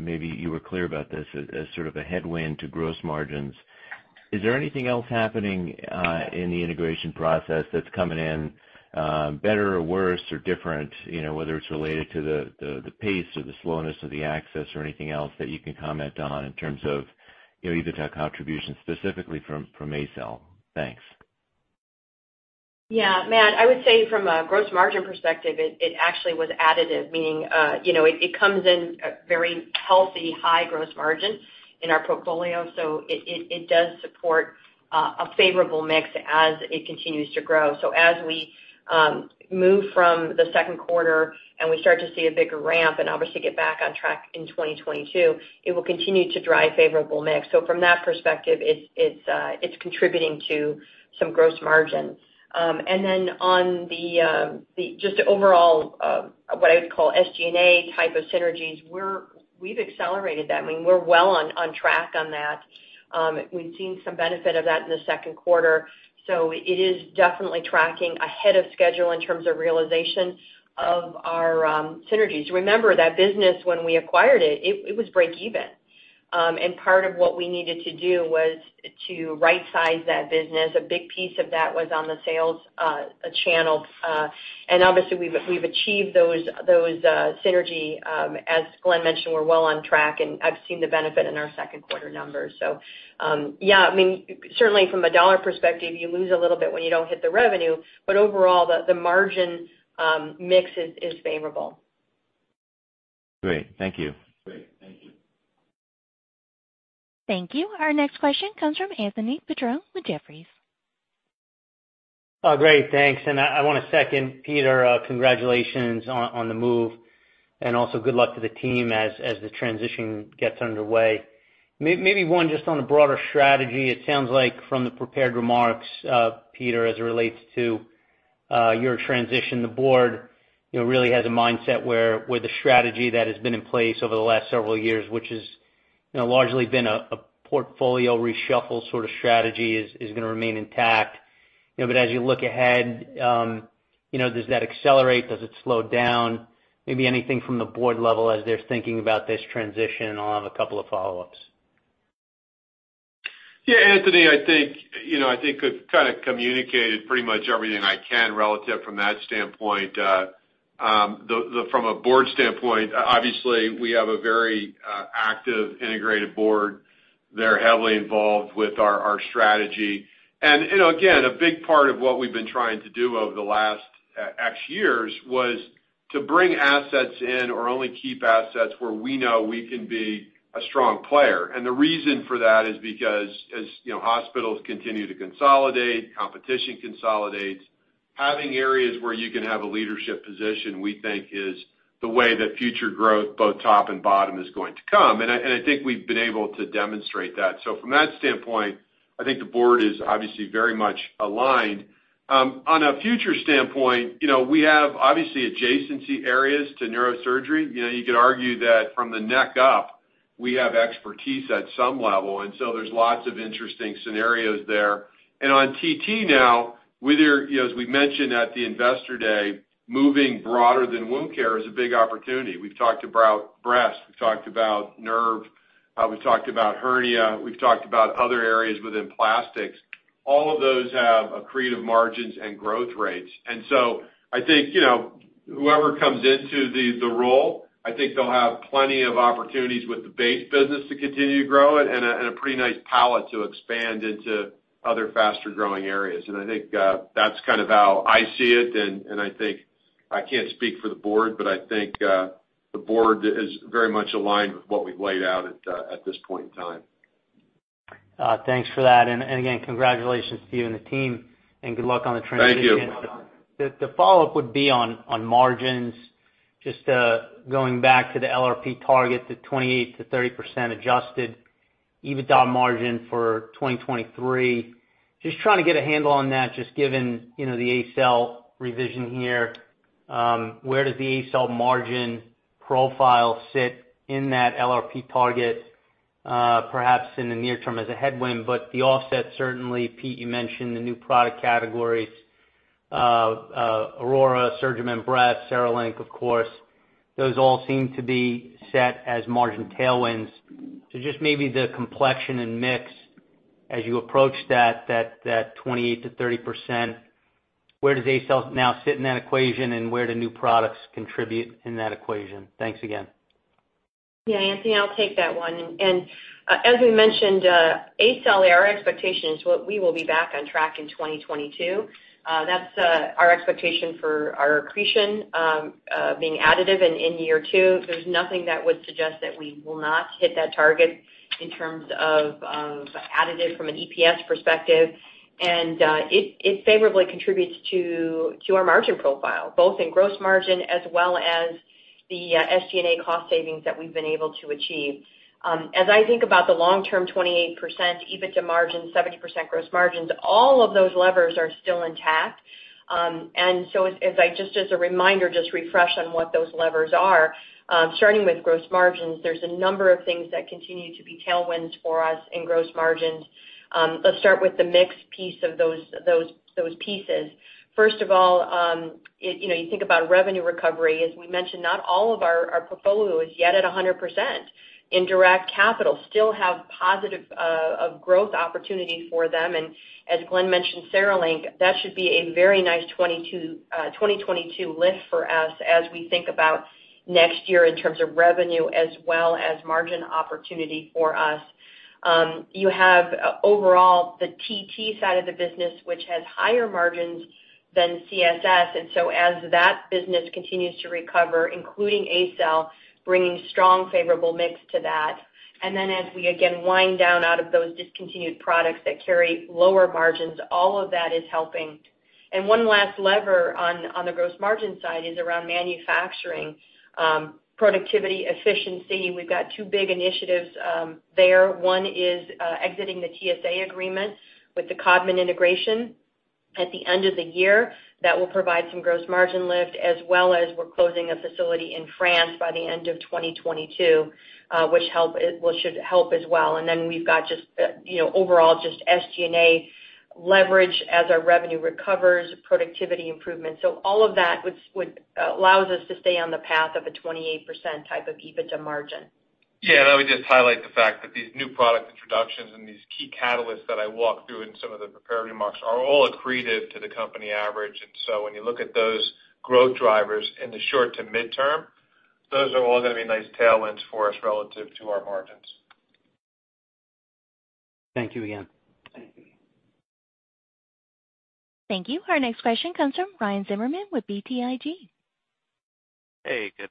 maybe you were clear about this as sort of a headwind to gross margins. Is there anything else happening in the integration process that's coming in better or worse or different, whether it's related to the pace or the slowness of the access or anything else that you can comment on in terms of EBITDA contribution specifically from ACell? Thanks. Yeah, Matt, I would say from a gross margin perspective, it actually was additive, meaning it comes in at very healthy, high gross margin in our portfolio. It does support a favorable mix as it continues to grow. As we move from the second quarter and we start to see a bigger ramp and obviously get back on track in 2022, it will continue to drive favorable mix. From that perspective, it's contributing to some gross margin. On just the overall, what I would call SG&A type of synergies, we've accelerated that. We're well on track on that. We've seen some benefit of that in the second quarter. It is definitely tracking ahead of schedule in terms of realization of our synergies. Remember that business when we acquired it was break-even. Part of what we needed to do was to right-size that business. A big piece of that was on the sales channel. Obviously we've achieved those synergy. As Glenn mentioned, we're well on track, and I've seen the benefit in our second quarter numbers. Yeah, certainly from a dollar perspective, you lose a little bit when you don't hit the revenue, but overall, the margin mix is favorable. Great. Thank you. Thank you. Our next question comes from Anthony Petrone with Jefferies. Oh, great, thanks. I want to second Peter. Congratulations on the move, and also good luck to the team as the transition gets underway. Maybe one just on the broader strategy, it sounds like from the prepared remarks, Peter, as it relates to your transition, the board really has a mindset where the strategy that has been in place over the last several years, which has largely been a portfolio reshuffle sort of strategy, is going to remain intact. As you look ahead, does that accelerate? Does it slow down? Maybe anything from the board level as they're thinking about this transition. I'll have a couple of follow-ups. Yeah, Anthony, I think I've kind of communicated pretty much everything I can relative from that standpoint. From a board standpoint, obviously we have a very active, Integra board. They're heavily involved with our strategy. Again, a big part of what we've been trying to do over the last X years was to bring assets in or only keep assets where we know we can be a strong player. The reason for that is because as hospitals continue to consolidate, competition consolidates. Having areas where you can have a leadership position, we think is the way that future growth, both top and bottom, is going to come. I think we've been able to demonstrate that. From that standpoint, I think the board is obviously very much aligned. A future standpoint, we have obviously adjacency areas to neurosurgery. You could argue that from the neck up, we have expertise at some level, and so there's lots of interesting scenarios there. On TT now, as we mentioned at the Investor Day, moving broader than wound care is a big opportunity. We've talked about breast, we've talked about nerve, we've talked about hernia, we've talked about other areas within plastics. All of those have accretive margins and growth rates. I think whoever comes into the role, I think they'll have plenty of opportunities with the base business to continue to grow it and a pretty nice palette to expand into other faster-growing areas. I think that's kind of how I see it, and I can't speak for the board, but I think the board is very much aligned with what we've laid out at this point in time. Thanks for that. Again, congratulations to you and the team, and good luck on the transition. Thank you. The follow-up would be on margins. Just going back to the LRP target, the 28%-30% adjusted EBITDA margin for 2023. Just trying to get a handle on that, just given the ACell revision here. Where does the ACell margin profile sit in that LRP target? Perhaps in the near-term as a headwind, but the offset, certainly, Pete, you mentioned the new product categories, AURORA, SurgiMend Breast, CereLink, of course. Those all seem to be set as margin tailwinds. Just maybe the complexion and mix as you approach that 28%-30%. Where does ACell now sit in that equation, and where do new products contribute in that equation? Thanks again. Yeah, Anthony, I'll take that one. As we mentioned, ACell, our expectation is we will be back on track in 2022. That's our expectation for our accretion being additive in year two. There's nothing that would suggest that we will not hit that target in terms of additive from an EPS perspective. It favorably contributes to our margin profile, both in gross margin as well as the SG&A cost savings that we've been able to achieve. As I think about the long-term 28% EBITDA margin, 70% gross margins, all of those levers are still intact. Just as a reminder, just refresh on what those levers are. Starting with gross margins, there's a number of things that continue to be tailwinds for us in gross margins. Let's start with the mix piece of those pieces. First of all, you think about revenue recovery, as we mentioned, not all of our portfolio is yet at 100% in direct capital, still have positive growth opportunity for them. As Glenn mentioned, CereLink, that should be a very nice 2022 lift for us as we think about next year in terms of revenue as well as margin opportunity for us. You have overall the TT side of the business, which has higher margins than CSS. As that business continues to recover, including ACell, bringing strong favorable mix to that. As we again wind down out of those discontinued products that carry lower margins, all of that is helping. One last lever on the gross margin side is around manufacturing, productivity, efficiency. We've got two big initiatives there. One is exiting the TSA agreement with the Codman integration at the end of the year. That will provide some gross margin lift, as well as we're closing a facility in France by the end of 2022, which should help as well. We've got just overall SG&A leverage as our revenue recovers, productivity improvements. All of that allows us to stay on the path of a 28% type of EBITDA margin. Yeah, let me just highlight the fact that these new product introductions and these key catalysts that I walked through in some of the prepared remarks are all accretive to the company average. When you look at those growth drivers in the short to midterm, those are all going to be nice tailwinds for us relative to our margins. Thank you again. Thank you. Our next question comes from Ryan Zimmerman with BTIG. Hey, good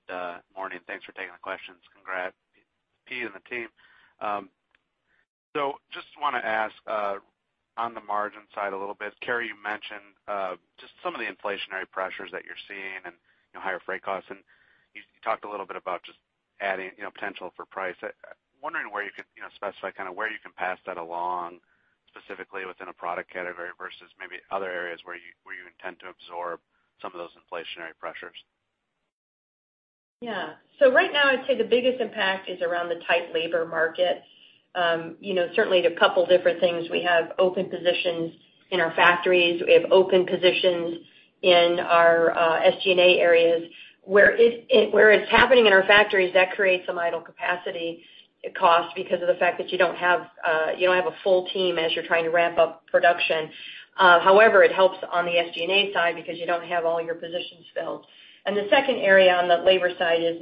morning. Thanks for taking the questions. Congrats, Pete and the team. Just want to ask on the margin side a little bit, Carrie, you mentioned just some of the inflationary pressures that you're seeing and higher freight costs, and you talked a little bit about just adding potential for price. Wondering where you could specify where you can pass that along, specifically within a product category versus maybe other areas where you intend to absorb some of those inflationary pressures. Yeah. Right now, I'd say the biggest impact is around the tight labor market. Certainly a couple different things. We have open positions in our factories. We have open positions in our SG&A areas. Where it's happening in our factories, that creates some idle capacity cost because of the fact that you don't have a full team as you're trying to ramp-up production. However, it helps on the SG&A side because you don't have all your positions filled. The second area on the labor side is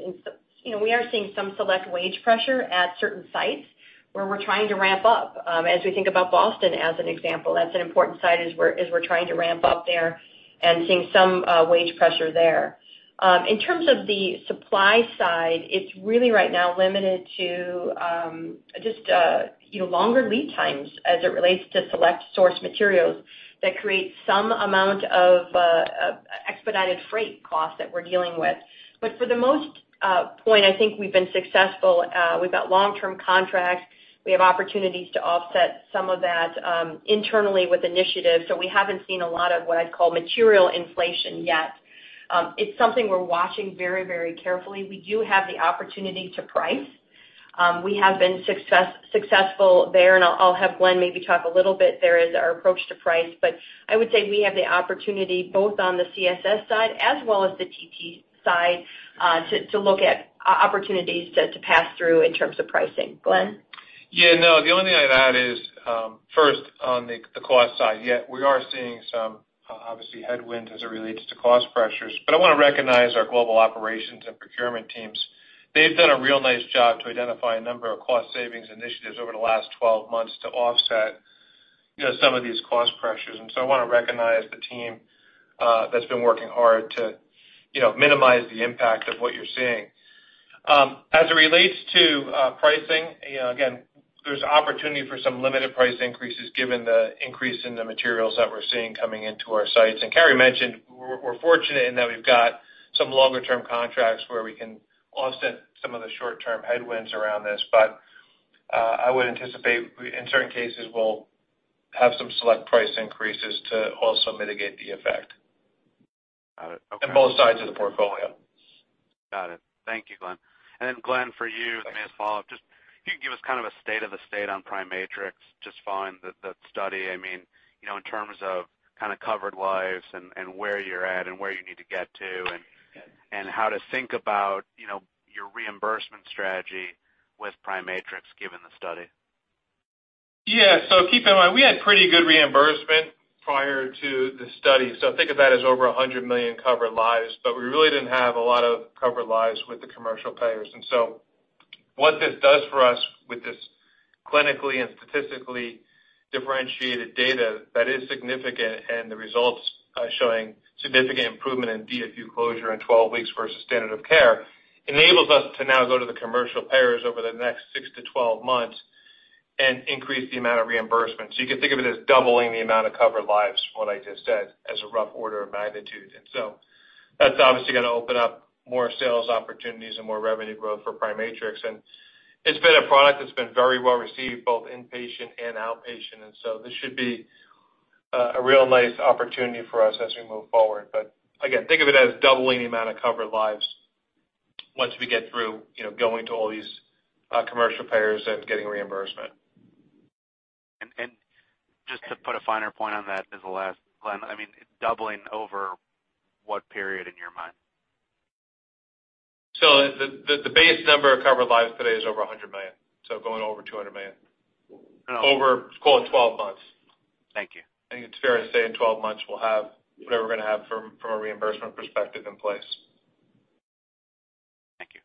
we are seeing some select wage pressure at certain sites where we're trying to ramp-up. As we think about Boston as an example, that's an important site as we're trying to ramp-up there and seeing some wage pressure there. In terms of the supply side, it's really right now limited to just longer lead times as it relates to select source materials that create some amount of expedited freight costs that we're dealing with. For the most point, I think we've been successful. We've got long-term contracts. We have opportunities to offset some of that internally with initiatives. We haven't seen a lot of what I'd call material inflation yet. It's something we're watching very carefully. We do have the opportunity to price. We have been successful there, and I'll have Glenn maybe talk a little bit there as our approach to price. I would say we have the opportunity both on the CSS side as well as the TT side to look at opportunities to pass through in terms of pricing. Glenn? The only thing I'd add is, first, on the cost side, we are seeing some obviously headwind as it relates to cost pressures. I want to recognize our global operations and procurement teams. They've done a real nice job to identify a number of cost savings initiatives over the last 12 months to offset some of these cost pressures. I want to recognize the team that's been working hard to minimize the impact of what you're seeing. As it relates to pricing, again, there's opportunity for some limited price increases given the increase in the materials that we're seeing coming into our sites. Carrie mentioned, we're fortunate in that we've got some longer-term contracts where we can offset some of the short-term headwinds around this. I would anticipate in certain cases, we'll have some select price increases to also mitigate the effect. Got it. Okay. On both sides of the portfolio. Got it. Thank you, Glenn. Glenn, for you, may as a follow-up, just if you can give us a state of the state on PriMatrix, just following the study, in terms of covered lives and where you're at and where you need to get to and how to think about your reimbursement strategy with PriMatrix given the study. Yeah. Keep in mind, we had pretty good reimbursement prior to the study. Think of that as over 100 million covered lives, but we really didn't have a lot of covered lives with the commercial payers. What this does for us with this clinically and statistically differentiated data that is significant and the results showing significant improvement in DFU closure in 12 weeks versus standard of care, enables us to now go to the commercial payers over the next 6-12 months and increase the amount of reimbursement. You can think of it as doubling the amount of covered lives from what I just said as a rough order of magnitude. That's obviously going to open up more sales opportunities and more revenue growth for PriMatrix. It's been a product that's been very well-received, both inpatient and outpatient. This should be a real nice opportunity for us as we move forward. Again, think of it as doubling the amount of covered lives once we get through going to all these commercial payers and getting reimbursement. Just to put a finer point on that as a last, Glenn, doubling over what period in your mind? The base number of covered lives today is over 100 million, so going over 200 million. I know. Over, call it 12 months. Thank you. I think it's fair to say in 12 months we'll have whatever we're going to have from a reimbursement perspective in place. Thank you.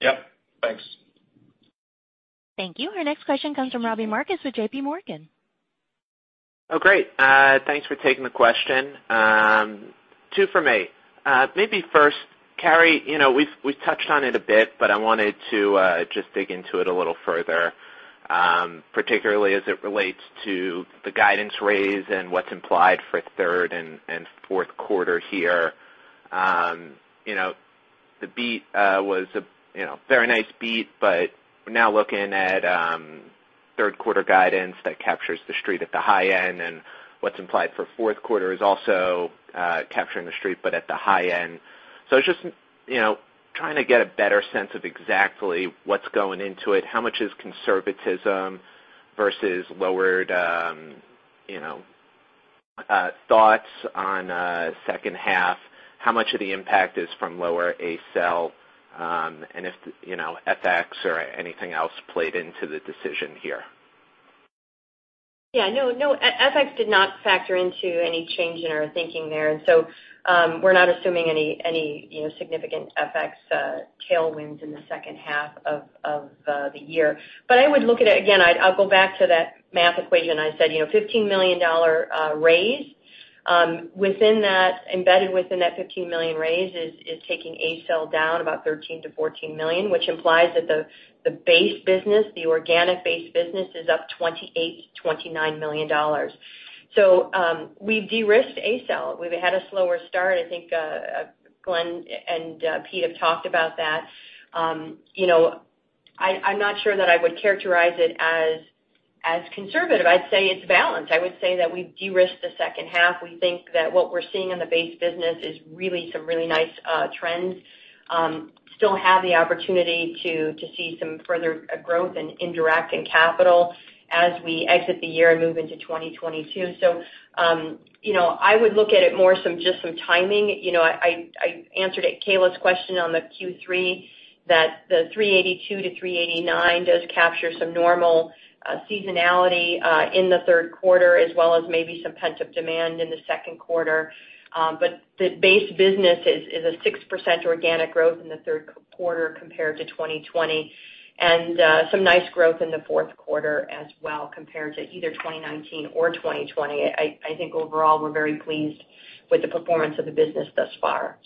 Yep, thanks. Thank you. Our next question comes from Robbie Marcus with JPMorgan. Oh, great. Thanks for taking the question. Two from me. First, Carrie, we've touched on it a bit, I wanted to just dig into it a little further, particularly as it relates to the guidance raise and what's implied for third and fourth quarter here. The beat was a very nice beat, we're now looking at third quarter guidance that captures the street at the high end, what's implied for fourth quarter is also capturing the street, at the high end. Just trying to get a better sense of exactly what's going into it, how much is conservatism versus lowered thoughts on second half, how much of the impact is from lower ACell, and if FX or anything else played into the decision here. Yeah, no. FX did not factor into any change in our thinking there. We're not assuming any significant FX tailwinds in the second half of the year. I would look at it, again, I'll go back to that math equation I said, $15 million raise. Embedded within that $15 million raise is taking ACell down about $13 million-$14 million, which implies that the base business, the organic base business, is up $28 million-$29 million. We've de-risked ACell. We've had a slower start. I think Glenn and Pete have talked about that. I'm not sure that I would characterize it as conservative. I'd say it's balanced. I would say that we've de-risked the second half. We think that what we're seeing in the base business is really some really nice trends. Have the opportunity to see some further growth in indirect and capital as we exit the year and move into 2022. I would look at it more some just some timing. I answered Kaila's question on the Q3 that the $382-$389 does capture some normal seasonality in the third quarter, as well as maybe some pent-up demand in the second quarter. The base business is a 6% organic growth in the third quarter compared to 2020, and some nice growth in the fourth quarter as well compared to either 2019 or 2020. I think overall we're very pleased with the performance of the business thus far.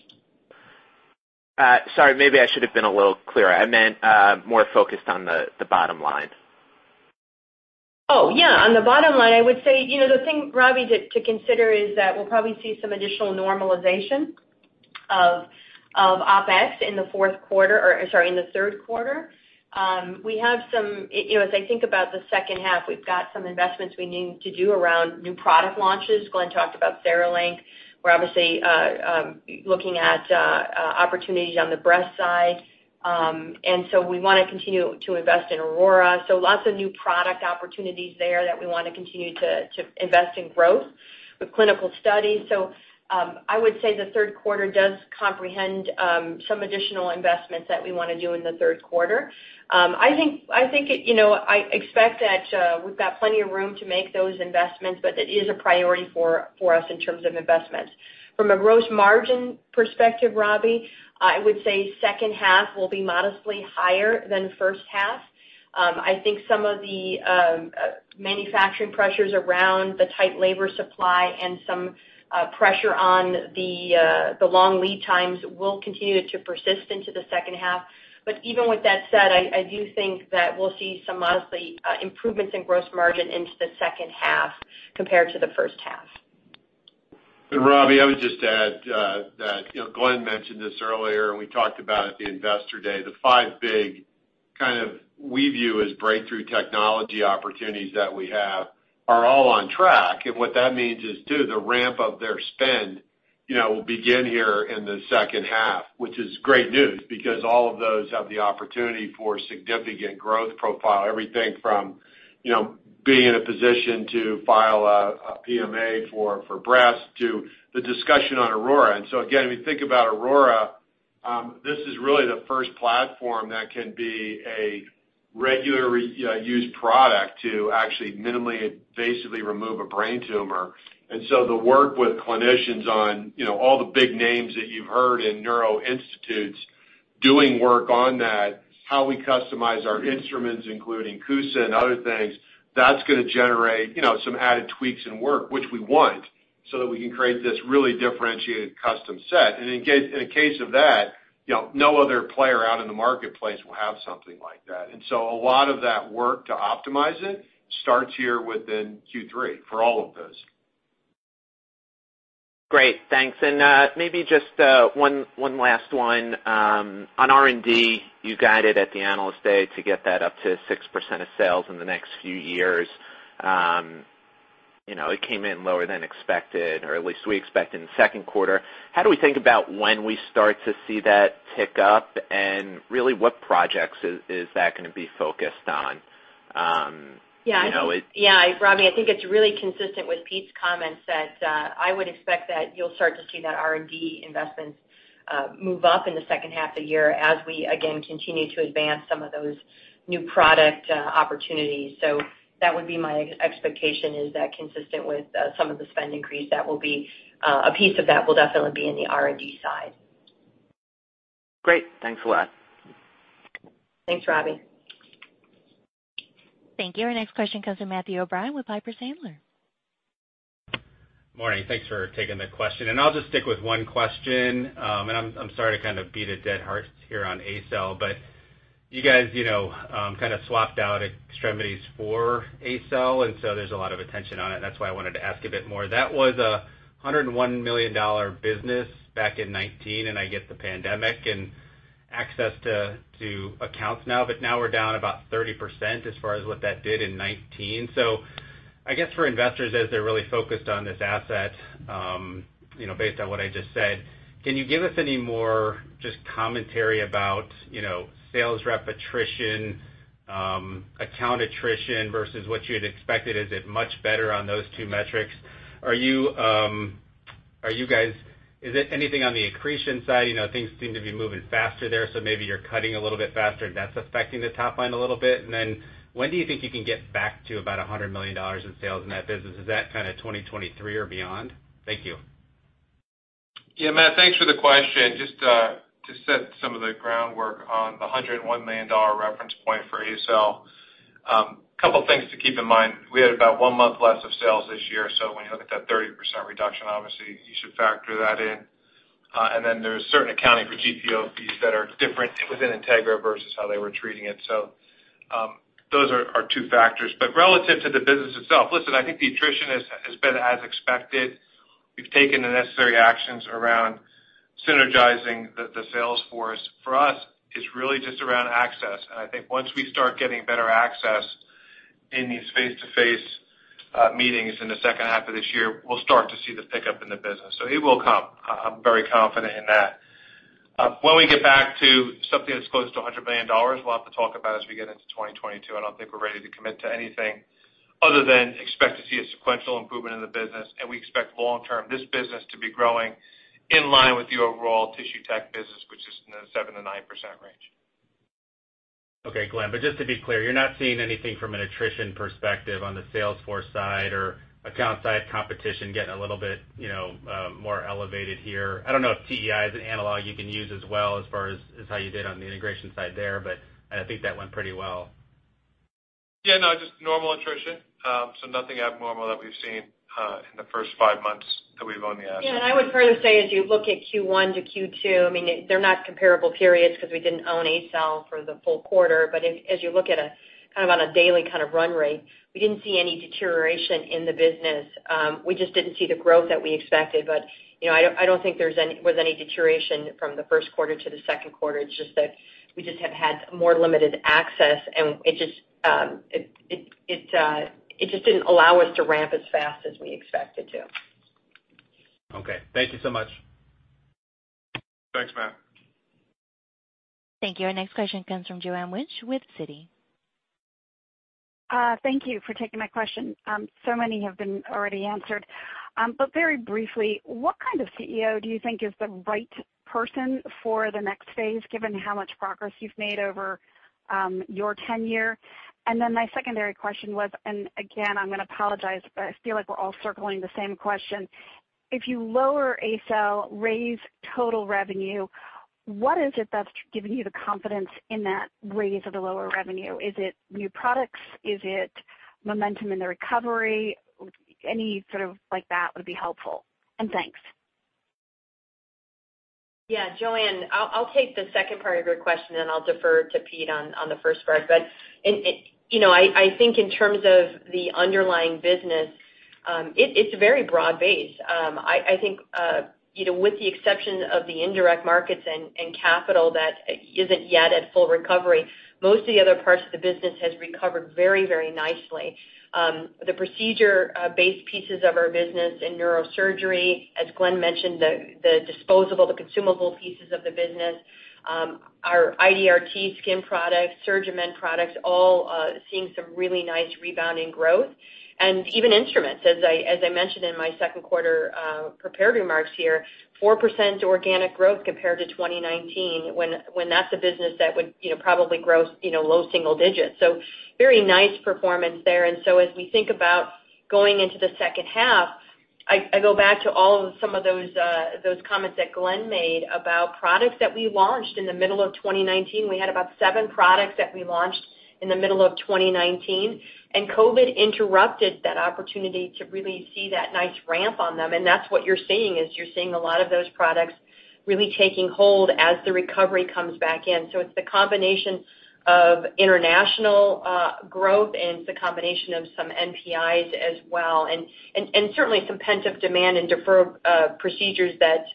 Sorry, maybe I should have been a little clearer. I meant more focused on the bottom line. Oh, yeah. On the bottom line, I would say the thing, Robbie, to consider is that we'll probably see some additional normalization of OpEx in the fourth quarter or, sorry, in the third quarter. As I think about the second half, we've got some investments we need to do around new product launches. Glenn talked about CereLink. We're obviously looking at opportunities on the breast side. We want to continue to invest in AURORA. Lots of new product opportunities there that we want to continue to invest in growth with clinical studies. I would say the third quarter does comprehend some additional investments that we want to do in the third quarter. I expect that we've got plenty of room to make those investments, but it is a priority for us in terms of investments. From a gross margin perspective, Robbie, I would say second half will be modestly higher than first half. I think some of the manufacturing pressures around the tight labor supply and some pressure on the long lead times will continue to persist into the second half. Even with that said, I do think that we'll see some modesty improvements in gross margin into the second half compared to the first half. Robbie, I would just add that Glenn mentioned this earlier, and we talked about it at the investor day, the five big kind of we view as breakthrough technology opportunities that we have are all on track. What that means is too, the ramp of their spend will begin here in the second half, which is great news because all of those have the opportunity for significant growth profile. Everything from being in a position to file a PMA for breast to the discussion on AURORA. Again, when you think about AURORA, this is really the first platform that can be a regularly used product to actually minimally invasively remove a brain tumor. The work with clinicians on all the big names that you've heard in neuro institutes doing work on that, how we customize our instruments, including CUSA and other things, that's going to generate some added tweaks and work, which we want, so that we can create this really differentiated custom set. In a case of that, no other player out in the marketplace will have something like that. A lot of that work to optimize it starts here within Q3 for all of those. Great. Thanks. Maybe just one last one. On R&D, you guided at the Analyst Day to get that up to 6% of sales in the next few years. It came in lower than expected, or at least we expect in the second quarter. How do we think about when we start to see that tick up and really what projects is that going to be focused on? Yeah, Robbie, I think it's really consistent with Pete's comments that I would expect that you'll start to see that R&D investments move up in the second half of the year as we, again, continue to advance some of those new product opportunities. That would be my expectation is that consistent with some of the spend increase, a piece of that will definitely be in the R&D side. Great. Thanks a lot. Thanks, Robbie. Thank you. Our next question comes from Matthew O'Brien with Piper Sandler. Morning. Thanks for taking the question. I'll just stick with one question. I'm sorry to kind of beat a dead horse here on ACell, but you guys kind of swapped out Extremities for ACell, and so there's a lot of attention on it. That's why I wanted to ask a bit more. That was a $101 million business back in 2019, and I get the pandemic and access to accounts now, but now we're down about 30% as far as what that did in 2019. I guess for investors, as they're really focused on this asset based on what I just said, can you give us any more just commentary about sales rep attrition, account attrition versus what you had expected? Is it much better on those two metrics? Is it anything on the accretion side? Things seem to be moving faster there, maybe you're cutting a little bit faster. That's affecting the top line a little bit. When do you think you can get back to about $100 million in sales in that business? Is that kind of 2023 or beyond? Thank you. Yeah, Matt, thanks for the question. Just to set some of the groundwork on the $101 million reference point for ACell. A couple of things to keep in mind. We had about one month less of sales this year. When you look at that 30% reduction, obviously, you should factor that in. There's certain accounting for GPO fees that are different within Integra versus how they were treating it. Those are our two factors. Relative to the business itself, listen, I think the attrition has been as expected. We've taken the necessary actions around synergizing the sales force. For us, it's really just around access, and I think once we start getting better access in these face-to-face meetings in the second half of this year, we'll start to see the pickup in the business. It will come. I'm very confident in that. When we get back to something that's close to $100 million, we'll have to talk about as we get into 2022. I don't think we're ready to commit to anything other than expect to see a sequential improvement in the business, and we expect long-term this business to be growing in line with the overall tissue tech business, which is in the 7%-9% range. Okay, Glenn, just to be clear, you're not seeing anything from an attrition perspective on the sales force side or account side competition getting a little bit more elevated here? I don't know if TEI is an analog you can use as well as far as how you did on the integration side there, but I think that went pretty well. Yeah, no, just normal attrition. Nothing abnormal that we've seen in the first five months that we've owned the asset. Yeah, I would further say as you look at Q1 to Q2, they're not comparable periods because we didn't own ACell for the full quarter. As you look at a kind of on a daily kind of run rate, we didn't see any deterioration in the business. We just didn't see the growth that we expected. I don't think there was any deterioration from the first quarter to the second quarter. It's just that we just have had more limited access, and it just didn't allow us to ramp as fast as we expected to. Okay. Thank you so much. Thanks, Matt. Thank you. Our next question comes from Joanne Wuensch with Citi. Thank you for taking my question. Many have been already answered. Very briefly, what kind of CEO do you think is the right person for the next phase, given how much progress you've made over your tenure? My secondary question was, I'm going to apologize, I feel like we're all circling the same question. If you lower ACell, raise total revenue, what is it that's giving you the confidence in that raise of the lower revenue? Is it new products? Is it momentum in the recovery? Any sort of like that would be helpful. Thanks. Yeah, Joanne, I'll take the second part of your question, and I'll defer to Pete on the first part. I think in terms of the underlying business, it's very broad-based. I think with the exception of the indirect markets and capital that isn't yet at full recovery, most of the other parts of the business has recovered very nicely. The procedure-based pieces of our business in Neurosurgery, as Glenn mentioned, the disposable, the consumable pieces of the business, our IDRT skin products, SurgiMend products, all seeing some really nice rebounding growth. Even instruments, as I mentioned in my second quarter prepared remarks here, 4% organic growth compared to 2019, when that's a business that would probably grow low-single-digits. Very nice performance there. As we think about going into the second half, I go back to some of those comments that Glenn made about products that we launched in the middle of 2019. We had about seven products that we launched in the middle of 2019, and COVID interrupted that opportunity to really see that nice ramp on them. That's what you're seeing, is you're seeing a lot of those products really taking hold as the recovery comes back in. It's the combination of international growth, and it's a combination of some NPIs as well. Certainly some pent-up demand and deferred procedures that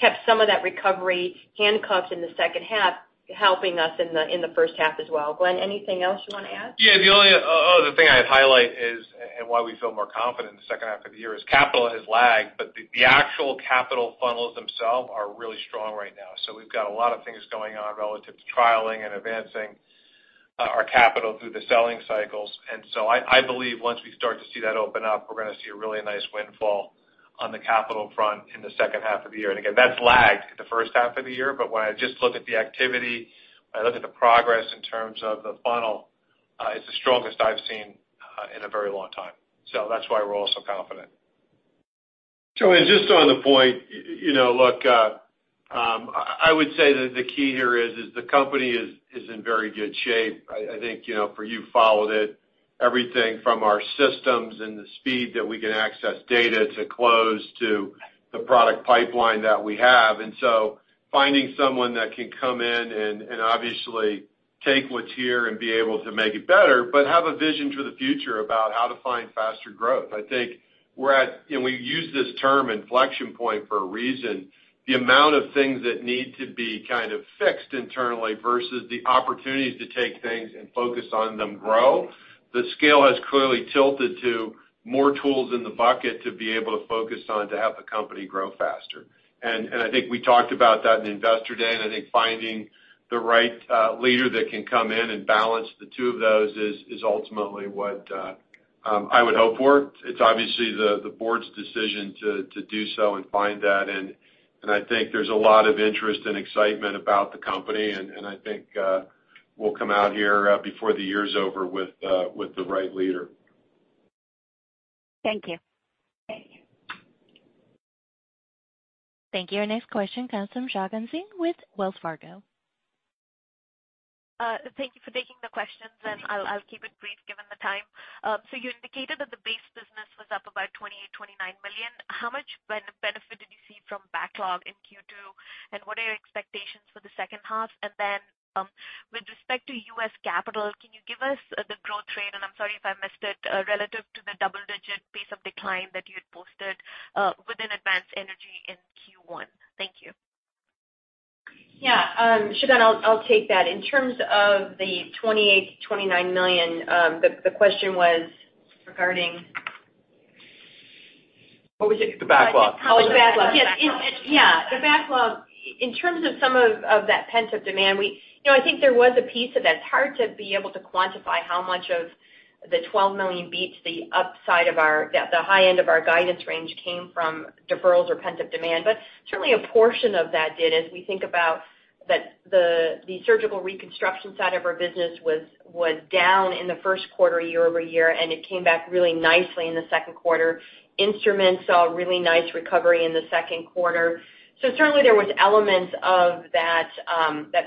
kept some of that recovery handcuffed in the second half, helping us in the first half as well. Glenn, anything else you want to add? Yeah. The only other thing I'd highlight is, and why we feel more confident in the second half of the year, is capital has lagged, but the actual capital funnels themselves are really strong right now. We've got a lot of things going on relative to trialing and advancing our capital through the selling cycles. I believe once we start to see that open up, we're going to see a really nice windfall on the capital front in the second half of the year. Again, that's lagged the first half of the year. When I just look at the activity, when I look at the progress in terms of the funnel, it's the strongest I've seen in a very long time. That's why we're all so confident. Joanne, just on the point, look, I would say that the key here is the company is in very good shape. I think for you followed it, everything from our systems and the speed that we can access data to close to the product pipeline that we have. Finding someone that can come in and obviously take what's here and be able to make it better, but have a vision for the future about how to find faster growth. I think we use this term inflection point for a reason. The amount of things that need to be kind of fixed internally versus the opportunities to take things and focus on them grow. The scale has clearly tilted to more tools in the bucket to be able to focus on to have the company grow faster. I think we talked about that in Investor Day. I think finding the right leader that can come in and balance the two of those is ultimately what I would hope for. It's obviously the board's decision to do so and find that. I think there's a lot of interest and excitement about the company. I think we'll come out here before the year is over with the right leader. Thank you. Thank you. Our next question comes from Shagun Singh with Wells Fargo. Thank you for taking the questions, and I'll keep it brief given the time. You indicated that the base business was up about $28 million-$29 million. How much benefit did you see from backlog in Q2, and what are your expectations for the second half? With respect to U.S. capital, can you give us the growth rate, and I'm sorry if I missed it, relative to the double-digit pace of decline that you had posted within advanced energy in Q1? Thank you. Yeah. Shagun, I'll take that. In terms of the $28 million-$29 million, the question was regarding What was it? The backlog. Oh, the backlog. Yes. The backlog, in terms of some of that pent-up demand, I think there was a piece of that. It's hard to be able to quantify how much of the $12 million beats the high end of our guidance range came from deferrals or pent-up demand. Certainly a portion of that did as we think about the surgical reconstruction side of our business was down in the first quarter year-over-year, and it came back really nicely in the second quarter. Instruments saw a really nice recovery in the second quarter. Certainly there was elements of that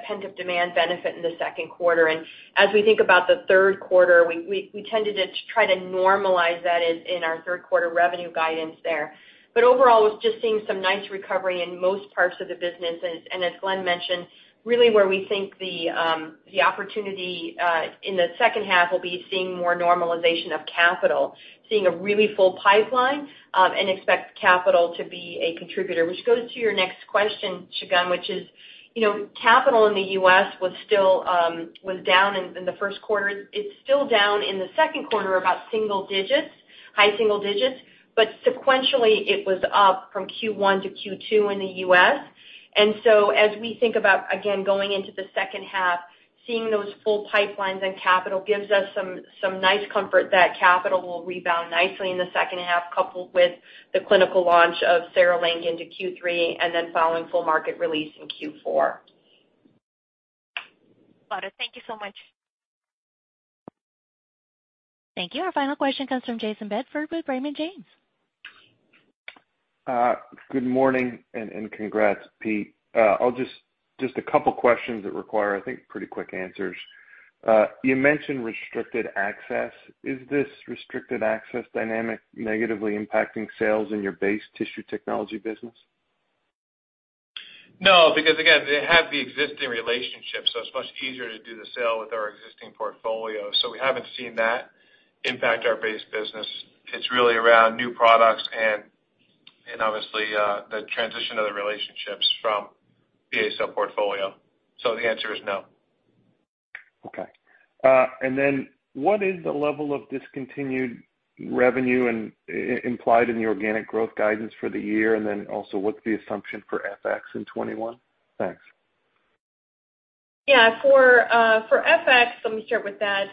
pent-up demand benefit in the second quarter. As we think about the third quarter, we tended to try to normalize that in our third quarter revenue guidance there. Overall, was just seeing some nice recovery in most parts of the business. As Glenn mentioned, really where we think the opportunity in the second half will be seeing more normalization of capital, seeing a really full pipeline, and expect capital to be a contributor. Which goes to your next question, Shagun, which is, capital in the U.S. was down in the first quarter. It's still down in the second quarter about single digits, high-single-digits. Sequentially, it was up from Q1 to Q2 in the U.S. As we think about, again, going into the second half, seeing those full pipelines and capital gives us some nice comfort that capital will rebound nicely in the second half, coupled with the clinical launch of CereLink into Q3, and then following full market release in Q4. Got it. Thank you so much. Thank you. Our final question comes from Jayson Bedford with Raymond James. Good morning and congrats, Pete. Just a couple questions that require, I think, pretty quick answers. You mentioned restricted access. Is this restricted access dynamic negatively impacting sales in your base tissue technology business? No, because again, they have the existing relationship. It's much easier to do the sale with our existing portfolio. We haven't seen that impact our base business. It's really around new products and obviously, the transition of the relationships from the ACell portfolio. The answer is no. Okay. What is the level of discontinued revenue implied in the organic growth guidance for the year? Also what's the assumption for FX in 2021? Thanks. Yeah. For FX, let me start with that.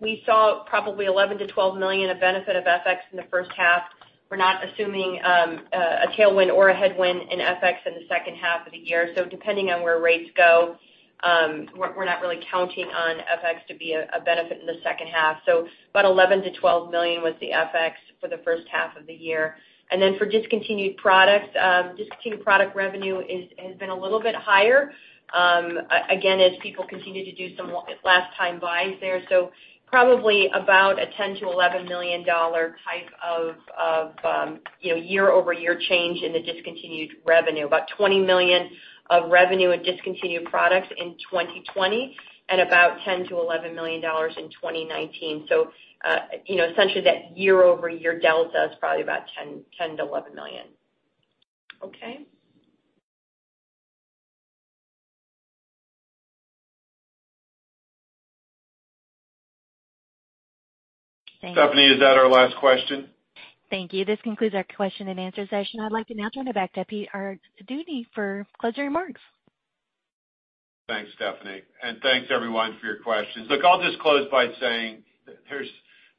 We saw probably $11 million-$12 million of benefit of FX in the first half. We're not assuming a tailwind or a headwind in FX in the second half of the year. Depending on where rates go, we're not really counting on FX to be a benefit in the second half. About $11 million-$12 million was the FX for the first half of the year. For discontinued product, discontinued product revenue has been a little bit higher. Again, as people continue to do some last time buys there. Probably about a $10 million-$11 million type of year-over-year change in the discontinued revenue. About $20 million of revenue in discontinued products in 2020, and about $10 million-$11 million in 2019. Essentially that year-over-year delta is probably about $10 million-$11 million. Okay? Stephanie, is that our last question? Thank you. This concludes our question-and-answer session. I'd like to now turn it back to Peter Arduini for closing remarks. Thanks, Stephanie. Thanks everyone for your questions. Look, I'll just close by saying there's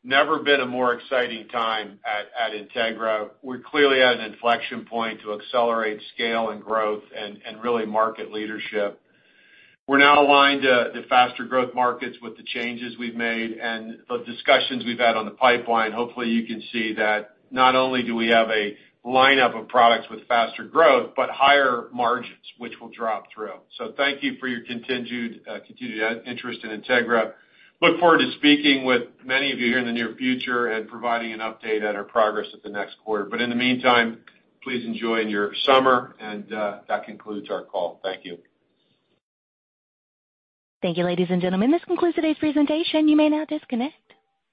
never been a more exciting time at Integra. We're clearly at an inflection point to accelerate scale and growth and really market leadership. We're now aligned to faster growth markets with the changes we've made and the discussions we've had on the pipeline. Hopefully, you can see that not only do we have a lineup of products with faster growth, but higher margins, which will drop through. Thank you for your continued interest in Integra. Look forward to speaking with many of you here in the near future and providing an update on our progress at the next quarter. In the meantime, please enjoy your summer, and that concludes our call. Thank you. Thank you, ladies and gentlemen. This concludes today's presentation. You may now disconnect.